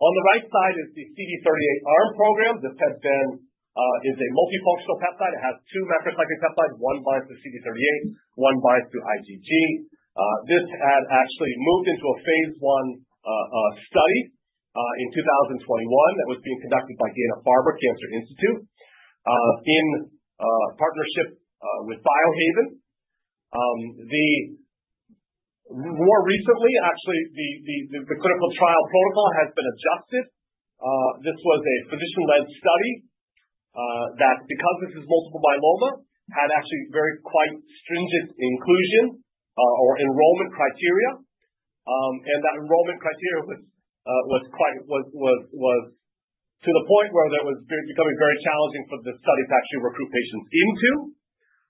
On the right side is the CD38 program. This is a multifunctional peptide. It has two macrocyclic peptides, one binds to CD38, one binds to IgG. This had actually moved into a phase I study in 2021 that was being conducted by Dana-Farber Cancer Institute in partnership with Biohaven. More recently, actually, the clinical trial protocol has been adjusted. This was a physician-led study that, because this is multiple myeloma, had actually very quite stringent inclusion or enrollment criteria. That enrollment criteria was to the point where it was becoming very challenging for the study to actually recruit patients into.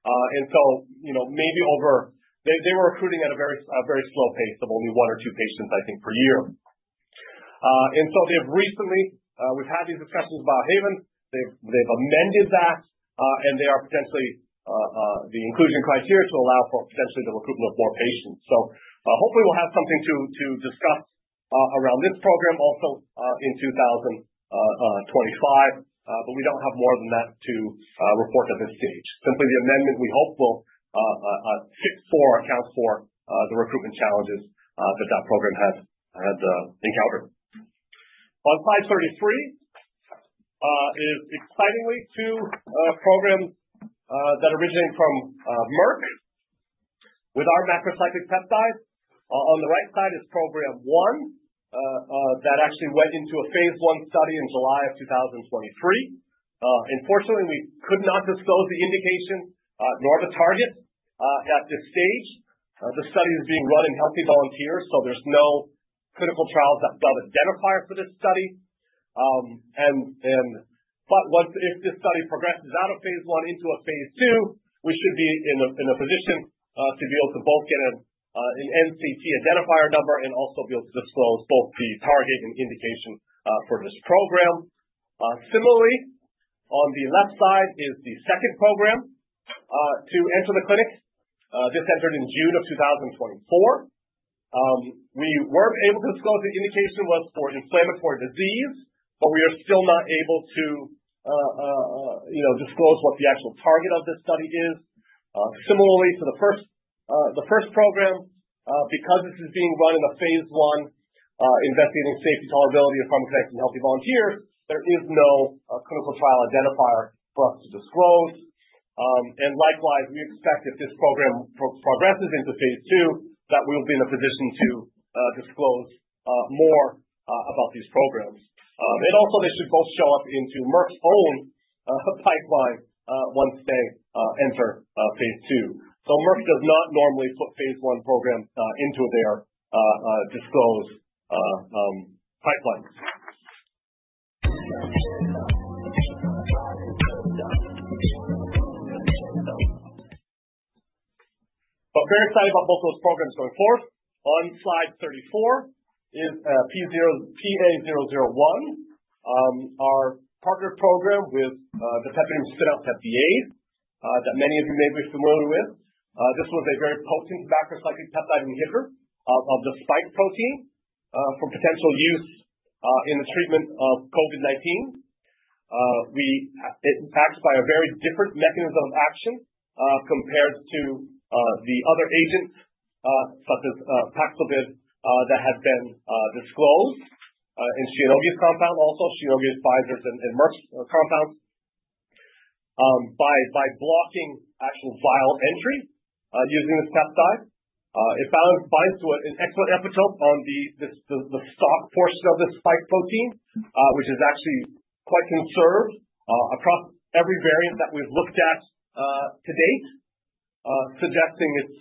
So maybe over they were recruiting at a very slow pace of only one or two patients, I think, per year. So they've recently we've had these discussions with Biohaven. They've amended that, and they are potentially the inclusion criteria to allow for potentially the recruitment of more patients. So hopefully, we'll have something to discuss around this program also in 2025, but we don't have more than that to report at this stage. Simply the amendment we hope will fit for or account for the recruitment challenges that program has encountered. On slide 33 is excitingly two programs that originate from Merck with our macrocyclic peptides. On the right side is Program #1 that actually went into a phase I study in July of 2023. Unfortunately, we could not disclose the indication nor the target at this stage. The study is being run in healthy volunteers, so there's no ClinicalTrials.gov identifier for this study. But if this study progresses out of phase I into a phase II, we should be in a position to be able to both get an NCT identifier number and also be able to disclose both the target and indication for this program. Similarly, on the left side is the second program to enter the clinic. This entered in June of 2024. We were able to disclose the indication was for inflammatory disease, but we are still not able to disclose what the actual target of this study is. Similarly to the first program, because this is being run in a phase I investigating safety, tolerability of pharmacodynamics in healthy volunteers, there is no clinical trial identifier for us to disclose. And likewise, we expect if this program progresses into phase II, that we will be in a position to disclose more about these programs. Also, they should both show up in Merck's own pipeline once they enter phase II. Merck does not normally put phase I programs into their disclosed pipeline. Very excited about both of those programs going forward. On slide 34 is PA-001, our partner program with the PeptiDream spinout PeptiAID that many of you may be familiar with. This was a very potent macrocyclic peptide inhibitor of the spike protein for potential use in the treatment of COVID-19. It acts by a very different mechanism of action compared to the other agents, such as Paxlovid, that had been disclosed, and Shionogi's compound, also Shionogi's, Pfizer's, and Merck's compounds, by blocking actual viral entry using this peptide. It binds to an excellent epitope on the stalk portion of this spike protein, which is actually quite conserved across every variant that we've looked at to date, suggesting it's,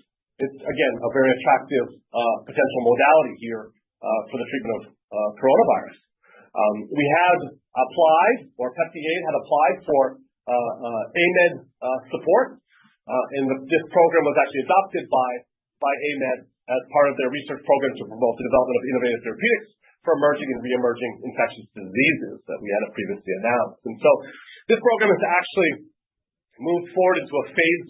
again, a very attractive potential modality here for the treatment of coronavirus. We had applied or PeptiAID had applied for AMED support, and this program was actually adopted by AMED as part of their research program to promote the development of innovative therapeutics for emerging and re-emerging infectious diseases that we had previously announced, and so this program has actually moved forward into a phase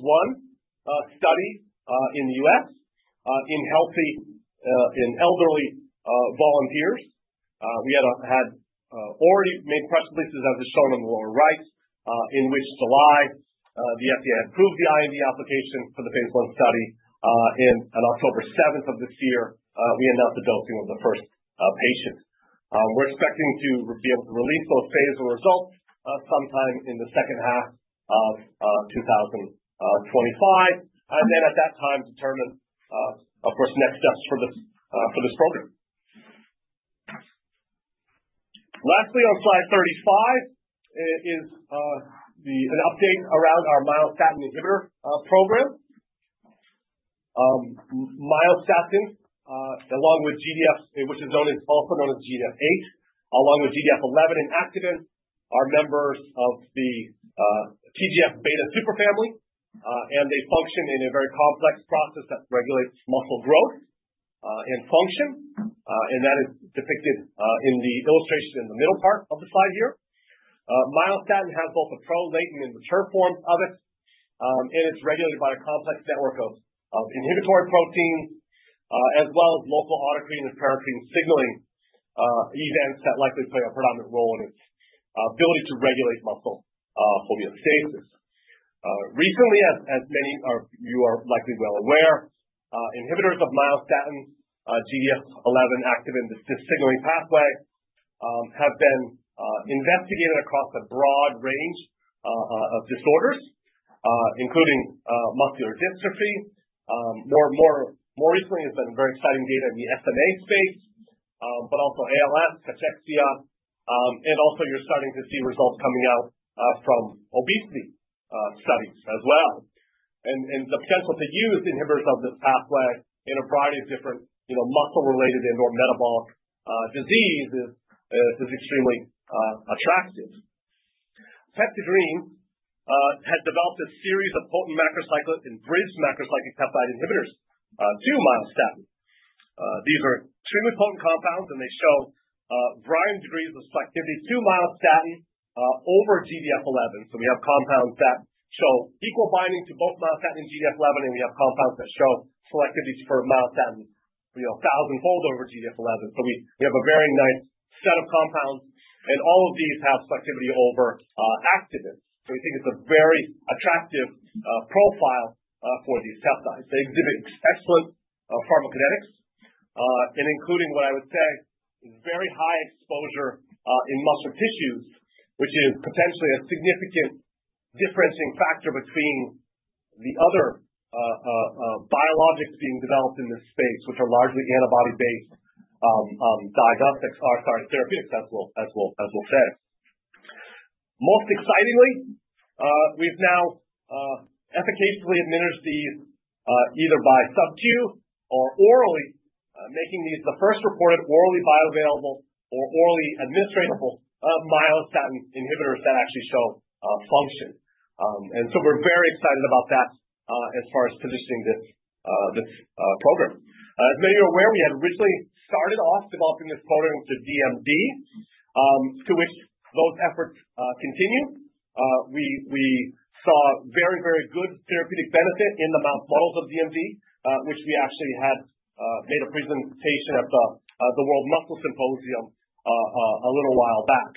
I study in the U.S. in elderly volunteers. We had already made press releases, as is shown on the lower right, in which, in July, the FDA had approved the IND application for the phase I study, and on October 7th of this year, we announced the dosing of the first patient. We're expecting to be able to release those phase I results sometime in the second half of 2025, and then at that time, determine, of course, next steps for this program. Lastly, on slide 35 is an update around our myostatin inhibitor program. Myostatin, along with GDF, which is also known as GDF8, along with GDF11 and activin, are members of the TGF-beta superfamily, and they function in a very complex process that regulates muscle growth and function, and that is depicted in the illustration in the middle part of the slide here. myostatin has both a pro and latent form of it, and it's regulated by a complex network of inhibitory proteins as well as local autocrine and paracrine signaling events that likely play a predominant role in its ability to regulate muscle homeostasis. Recently, as many of you are likely well aware, inhibitors of myostatin, GDF11, activin, this signaling pathway have been investigated across a broad range of disorders, including muscular dystrophy. More recently, there's been very exciting data in the SMA space, but also ALS, cachexia, and also you're starting to see results coming out from obesity studies as well. And the potential to use inhibitors of this pathway in a variety of different muscle-related and/or metabolic diseases is extremely attractive. PeptiDream has developed a series of potent macrocyclic and bridged macrocyclic peptide inhibitors to myostatin. These are extremely potent compounds, and they show varying degrees of selectivity to myostatin over GDF11. So we have compounds that show equal binding to both myostatin and GDF11, and we have compounds that show selectivity for myostatin thousandfold over GDF11. So we have a very nice set of compounds, and all of these have selectivity over activin. So we think it's a very attractive profile for these peptides. They exhibit excellent pharmacokinetics, and including what I would say is very high exposure in muscle tissues, which is potentially a significant differentiating factor between the other biologics being developed in this space, which are largely antibody-based digestics or, sorry, therapeutics, as we'll say. Most excitingly, we've now efficaciously administered these either by subq or orally, making these the first reported orally bioavailable or orally administratable myostatin inhibitors that actually show function. And so we're very excited about that as far as positioning this program. As many are aware, we had originally started off developing this program to DMD, to which those efforts continue. We saw very, very good therapeutic benefit in the mouse models of DMD, which we actually had made a presentation at the World Muscle Symposium a little while back.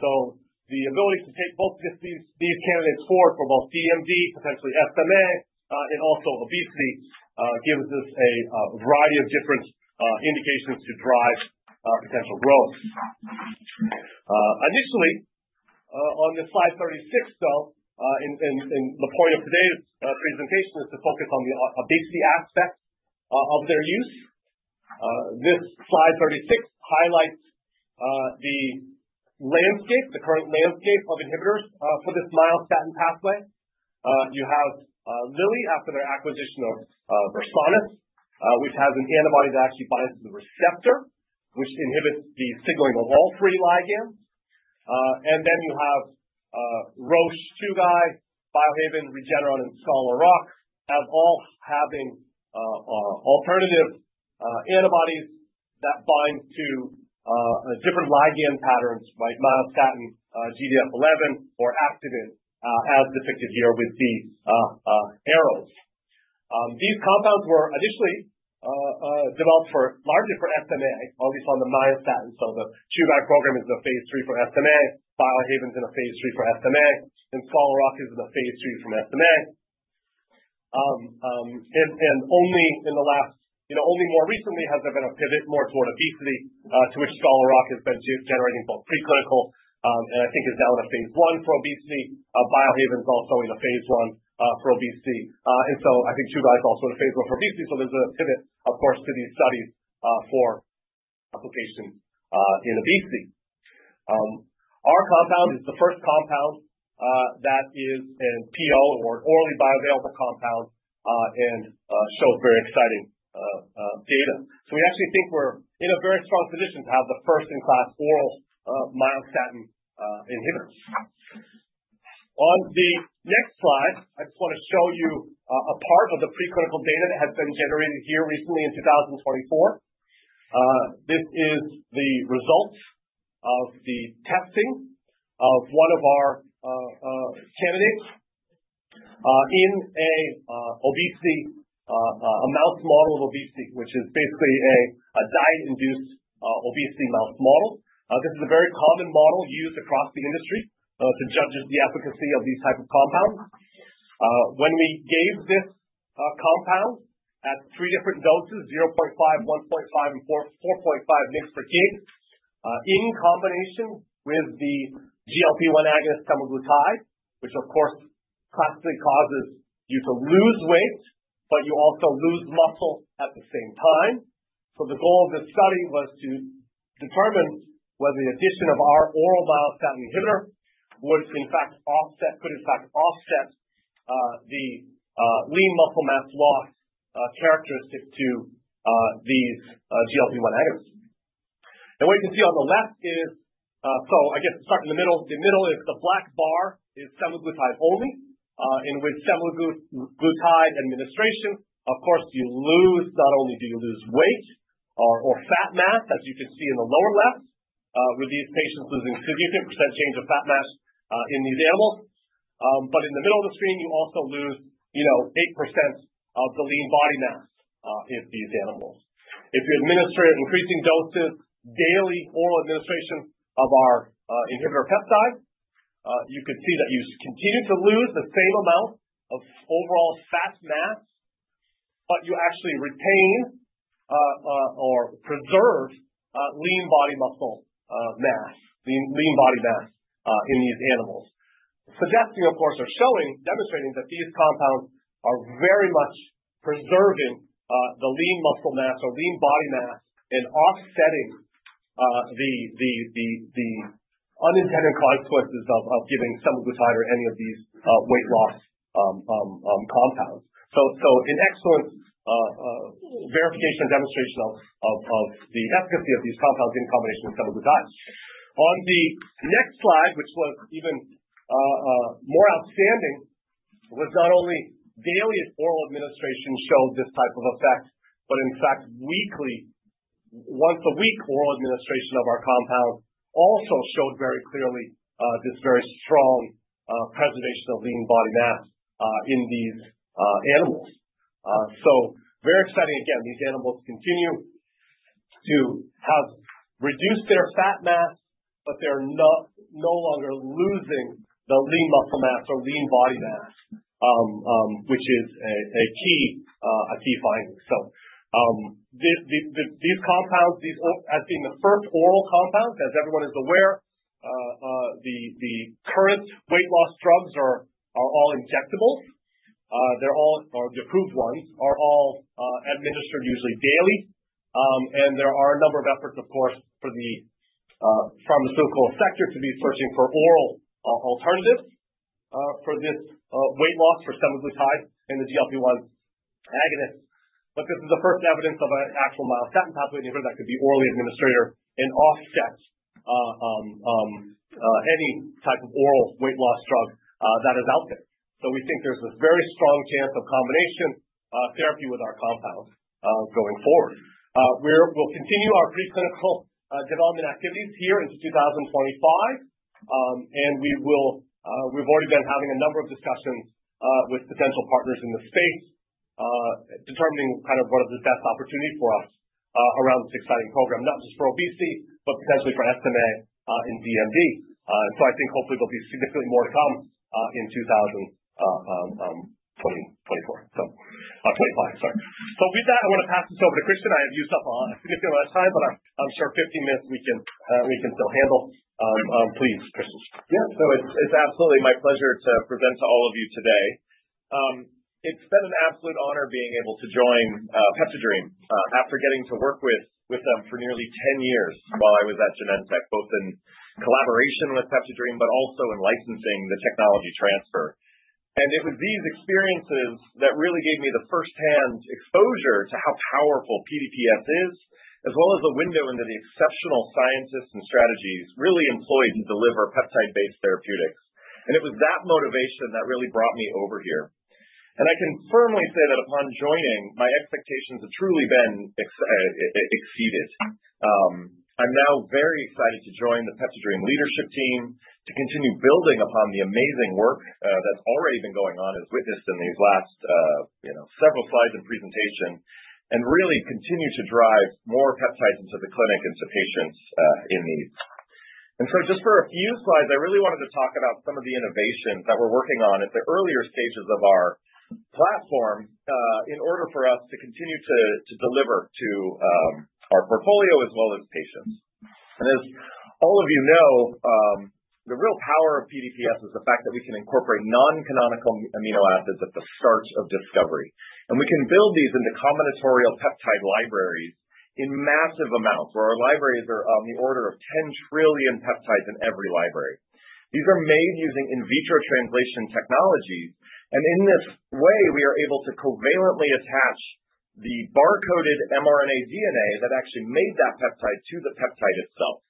So the ability to take both these candidates forward for both DMD, potentially SMA, and also obesity gives us a variety of different indications to drive potential growth. Initially, on this slide 36, though, and the point of today's presentation is to focus on the obesity aspect of their use. This slide 36 highlights the current landscape of inhibitors for this myostatin pathway. You have Lilly after their acquisition of Versanis, which has an antibody that actually binds to the receptor, which inhibits the signaling of all three ligands. And then you have Roche2Guy, Biohaven, Regeneron, and Scholar Rock, as all having alternative antibodies that bind to different ligand patterns, right? Myostatin, GDF11, or activin, as depicted here with the arrows. These compounds were initially developed largely for SMA, or at least on the myostatin. So the Roche2Guy program is a phase III for SMA. Biohaven's in a phase III for SMA, and Scholar Rock is in a phase III for SMA. Only more recently has there been a pivot more toward obesity, to which Scholar Rock has been generating both preclinical, and I think is now in a phase I for obesity. Biohaven's also in a phase I for obesity. And so I think Roche2Guy is also in a phase I for obesity. So there's a pivot, of course, to these studies for application in obesity. Our compound is the first compound that is an PO or an orally bioavailable compound and shows very exciting data. So we actually think we're in a very strong position to have the first-in-class oral myostatin inhibitors. On the next slide, I just want to show you a part of the preclinical data that has been generated here recently in 2024. This is the result of the testing of one of our candidates in an obesity mouse model of obesity, which is basically a diet-induced obesity mouse model. This is a very common model used across the industry to judge the efficacy of these types of compounds. When we gave this compound at three different doses, 0.5, 1.5, and 4.5 mg/kg, in combination with the GLP-1 agonist semaglutide, which, of course, classically causes you to lose weight, but you also lose muscle at the same time. So the goal of this study was to determine whether the addition of our oral myostatin inhibitor would, in fact, offset the lean muscle mass loss characteristic to these GLP-1 agonists. What you can see on the left is, so I guess to start in the middle, the middle is the black bar is semaglutide only, and with semaglutide administration, of course, you lose not only do you lose weight or fat mass, as you can see in the lower left, with these patients losing significant % change of fat mass in these animals, but in the middle of the screen, you also lose 8% of the lean body mass in these animals. If you administer increasing doses, daily oral administration of our inhibitor peptide, you can see that you continue to lose the same amount of overall fat mass, but you actually retain or preserve lean body muscle mass, lean body mass in these animals, suggesting, of course, or showing, demonstrating that these compounds are very much preserving the lean muscle mass or lean body mass and offsetting the unintended consequences of giving semaglutide or any of these weight loss compounds. So an excellent verification and demonstration of the efficacy of these compounds in combination with semaglutide. On the next slide, which was even more outstanding, was not only daily oral administration showed this type of effect, but in fact, weekly, once a week, oral administration of our compound also showed very clearly this very strong preservation of lean body mass in these animals. So very exciting, again, these animals continue to have reduced their fat mass, but they're no longer losing the lean muscle mass or lean body mass, which is a key finding. So these compounds, as being the first oral compounds, as everyone is aware, the current weight loss drugs are all injectables. They're all, or the approved ones, are all administered usually daily. And there are a number of efforts, of course, for the pharmaceutical sector to be searching for oral alternatives for this weight loss for semaglutide and the GLP-1 agonists. But this is the first evidence of an actual myostatin pathway inhibitor that could be orally administered and offset any type of oral weight loss drug that is out there. So we think there's a very strong chance of combination therapy with our compounds going forward. We'll continue our preclinical development activities here into 2025, and we've already been having a number of discussions with potential partners in the space, determining kind of what is the best opportunity for us around this exciting program, not just for obesity, but potentially for SMA and DMD. And so I think hopefully there'll be significantly more to come in 2024. So 25, sorry. So with that, I want to pass this over to Christian. I have used up a significant amount of time, but I'm sure 15 minutes we can still handle. Please, Christian. Yep. So it's absolutely my pleasure to present to all of you today. It's been an absolute honor being able to join PeptiDream after getting to work with them for nearly 10 years while I was at Genentech, both in collaboration with PeptiDream, but also in licensing the technology transfer. And it was these experiences that really gave me the firsthand exposure to how powerful PDPS is, as well as a window into the exceptional scientists and strategies really employed to deliver peptide-based therapeutics. And it was that motivation that really brought me over here. And I can firmly say that upon joining, my expectations have truly been exceeded. I'm now very excited to join the PeptiDream leadership team, to continue building upon the amazing work that's already been going on, as witnessed in these last several slides and presentation, and really continue to drive more peptides into the clinic, into patients in need. And so just for a few slides, I really wanted to talk about some of the innovations that we're working on at the earlier stages of our platform in order for us to continue to deliver to our portfolio as well as patients. And as all of you know, the real power of PDPS is the fact that we can incorporate non-canonical amino acids at the start of discovery. And we can build these into combinatorial peptide libraries in massive amounts, where our libraries are on the order of 10 trillion peptides in every library. These are made using in vitro translation technologies. And in this way, we are able to covalently attach the barcoded mRNA DNA that actually made that peptide to the peptide itself.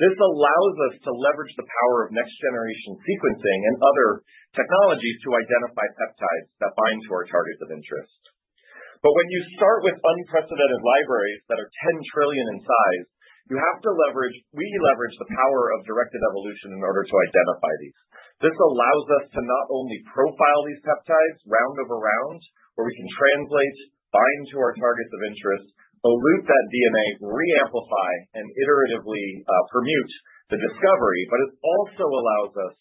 This allows us to leverage the power of next-generation sequencing and other technologies to identify peptides that bind to our targets of interest. But when you start with unprecedented libraries that are 10 trillion in size, we leverage the power of directed evolution in order to identify these. This allows us to not only profile these peptides round over round, where we can translate, bind to our targets of interest, elute that DNA, reamplify, and iteratively permute the discovery, but it also allows us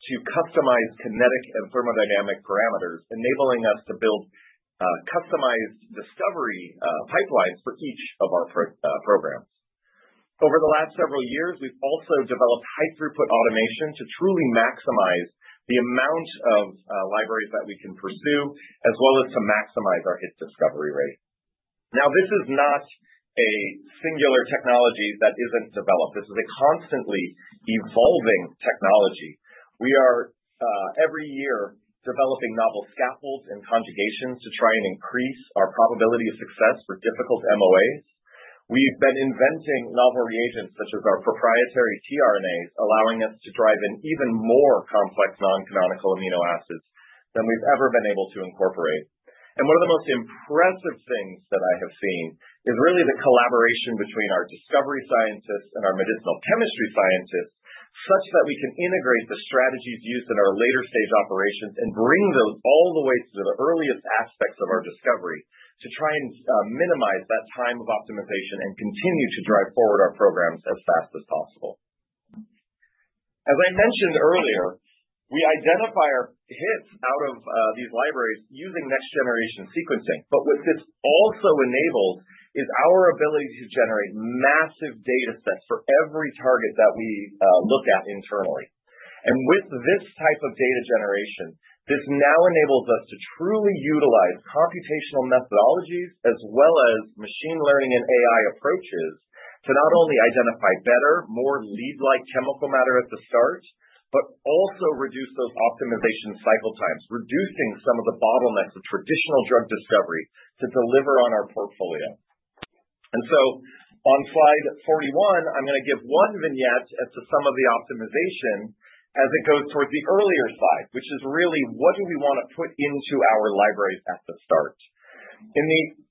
to customize kinetic and thermodynamic parameters, enabling us to build customized discovery pipelines for each of our programs. Over the last several years, we've also developed high-throughput automation to truly maximize the amount of libraries that we can pursue, as well as to maximize our hit discovery rate. Now, this is not a singular technology that isn't developed. This is a constantly evolving technology. We are every year developing novel scaffolds and conjugations to try and increase our probability of success for difficult MOAs. We've been inventing novel reagents such as our proprietary tRNAs, allowing us to drive in even more complex non-canonical amino acids than we've ever been able to incorporate. And one of the most impressive things that I have seen is really the collaboration between our discovery scientists and our medicinal chemistry scientists, such that we can integrate the strategies used in our later stage operations and bring those all the way to the earliest aspects of our discovery to try and minimize that time of optimization and continue to drive forward our programs as fast as possible. As I mentioned earlier, we identify our hits out of these libraries using next-generation sequencing. But what this also enables is our ability to generate massive datasets for every target that we look at internally. With this type of data generation, this now enables us to truly utilize computational methodologies as well as machine learning and AI approaches to not only identify better, more lead-like chemical matter at the start, but also reduce those optimization cycle times, reducing some of the bottlenecks of traditional drug discovery to deliver on our portfolio. On slide 41, I'm going to give one vignette as to some of the optimization as it goes towards the earlier side, which is really, what do we want to put into our libraries at the start?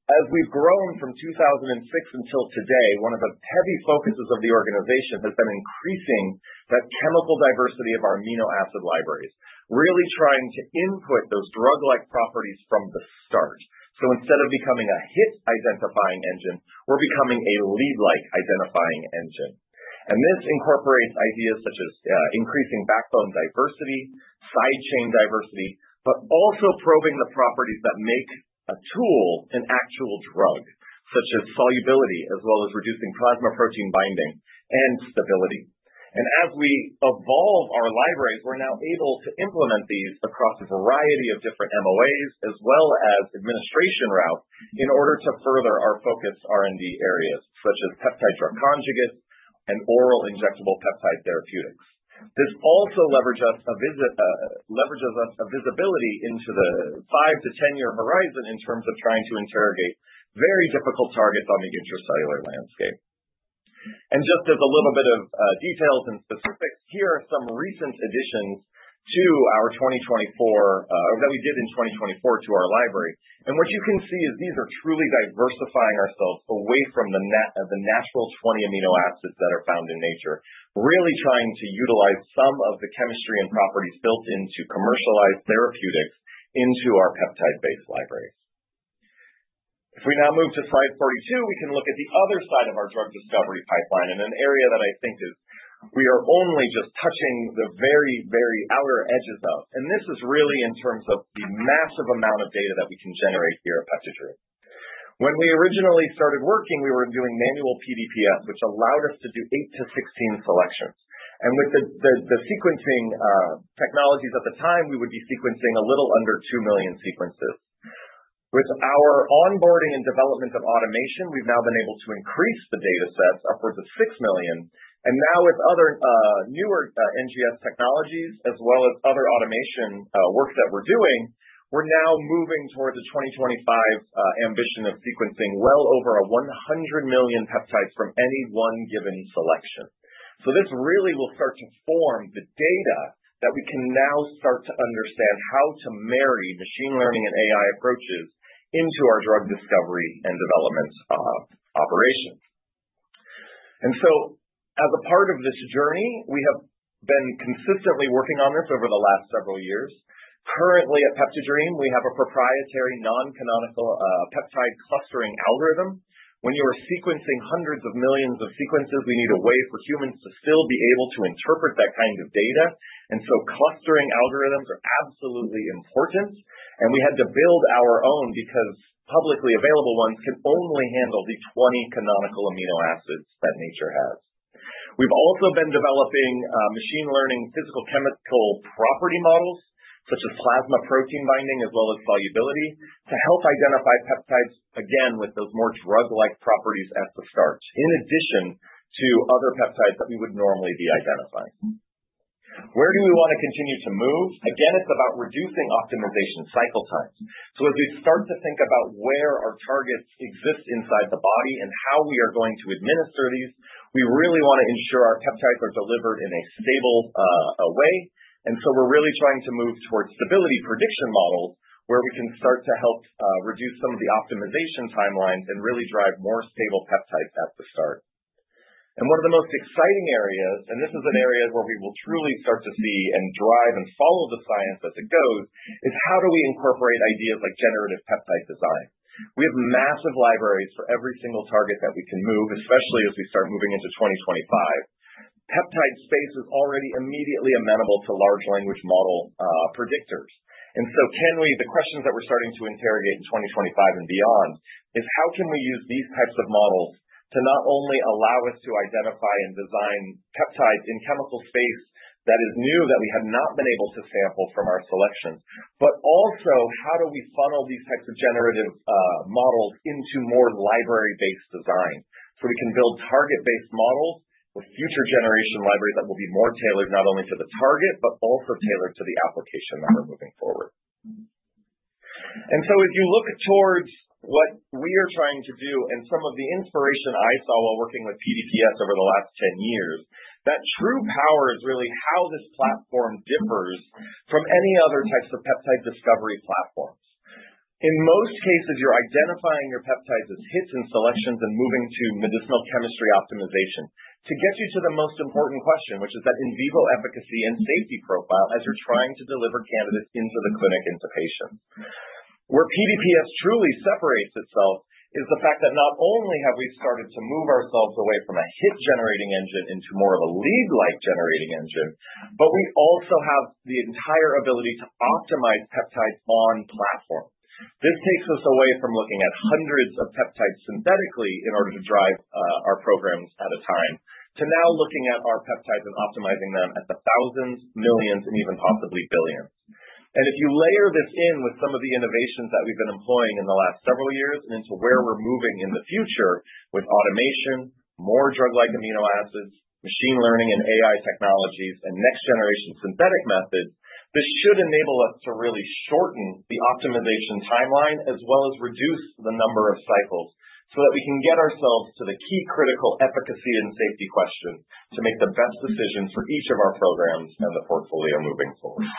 As we've grown from 2006 until today, one of the heavy focuses of the organization has been increasing that chemical diversity of our amino acid libraries, really trying to input those drug-like properties from the start. Instead of becoming a hit identifying engine, we're becoming a lead-like identifying engine. This incorporates ideas such as increasing backbone diversity, side chain diversity, but also probing the properties that make a tool an actual drug, such as solubility, as well as reducing plasma protein binding and stability. As we evolve our libraries, we're now able to implement these across a variety of different MOAs, as well as administration routes in order to further our focus R&D areas, such as peptide drug conjugates and oral injectable peptide therapeutics. This also leverages us a visibility into the five to 10-year horizon in terms of trying to interrogate very difficult targets on the intracellular landscape. Just as a little bit of details and specifics, here are some recent additions to our 2024 that we did in 2024 to our library. What you can see is these are truly diversifying ourselves away from the natural 20 amino acids that are found in nature, really trying to utilize some of the chemistry and properties built into commercialized therapeutics into our peptide-based libraries. If we now move to slide 42, we can look at the other side of our drug discovery pipeline in an area that I think we are only just touching the very, very outer edges of. This is really in terms of the massive amount of data that we can generate here at PeptiDream. When we originally started working, we were doing manual PDPS, which allowed us to do 8-16 selections. With the sequencing technologies at the time, we would be sequencing a little under 2 million sequences. With our onboarding and development of automation, we've now been able to increase the datasets upwards of six million, and now, with other newer NGS technologies, as well as other automation work that we're doing, we're now moving towards a 2025 ambition of sequencing well over 100 million peptides from any one given selection, so this really will start to form the data that we can now start to understand how to marry machine learning and AI approaches into our drug discovery and development operations, and so, as a part of this journey, we have been consistently working on this over the last several years. Currently, at PeptiDream, we have a proprietary non-canonical peptide clustering algorithm. When you are sequencing hundreds of millions of sequences, we need a way for humans to still be able to interpret that kind of data, and so clustering algorithms are absolutely important. We had to build our own because publicly available ones can only handle the 20 canonical amino acids that nature has. We've also been developing machine learning physicochemical property models, such as plasma protein binding, as well as solubility, to help identify peptides, again, with those more drug-like properties at the start, in addition to other peptides that we would normally be identifying. Where do we want to continue to move? Again, it's about reducing optimization cycle times. As we start to think about where our targets exist inside the body and how we are going to administer these, we really want to ensure our peptides are delivered in a stable way. We're really trying to move towards stability prediction models, where we can start to help reduce some of the optimization timelines and really drive more stable peptides at the start. And one of the most exciting areas, and this is an area where we will truly start to see and drive and follow the science as it goes, is how do we incorporate ideas like generative peptide design? We have massive libraries for every single target that we can move, especially as we start moving into 2025. Peptide space is already immediately amenable to large language model predictors. And so, the questions that we're starting to interrogate in 2025 and beyond is how can we use these types of models to not only allow us to identify and design peptides in chemical space that is new that we have not been able to sample from our selections, but also how do we funnel these types of generative models into more library-based design so we can build target-based models with future generation libraries that will be more tailored not only to the target, but also tailored to the application that we're moving forward. And so as you look towards what we are trying to do and some of the inspiration I saw while working with PDPS over the last 10 years, that true power is really how this platform differs from any other types of peptide discovery platforms. In most cases, you're identifying your peptides as hits in selections and moving to medicinal chemistry optimization to get you to the most important question, which is that in vivo efficacy and safety profile as you're trying to deliver candidates into the clinic, into patients. Where PDPS truly separates itself is the fact that not only have we started to move ourselves away from a hit-generating engine into more of a lead-like generating engine, but we also have the entire ability to optimize peptides on platform. This takes us away from looking at hundreds of peptides synthetically in order to drive our programs at a time to now looking at our peptides and optimizing them at the thousands, millions, and even possibly billions. And if you layer this in with some of the innovations that we've been employing in the last several years and into where we're moving in the future with automation, more drug-like amino acids, machine learning and AI technologies, and next-generation synthetic methods, this should enable us to really shorten the optimization timeline as well as reduce the number of cycles so that we can get ourselves to the key critical efficacy and safety questions to make the best decision for each of our programs and the portfolio moving forward.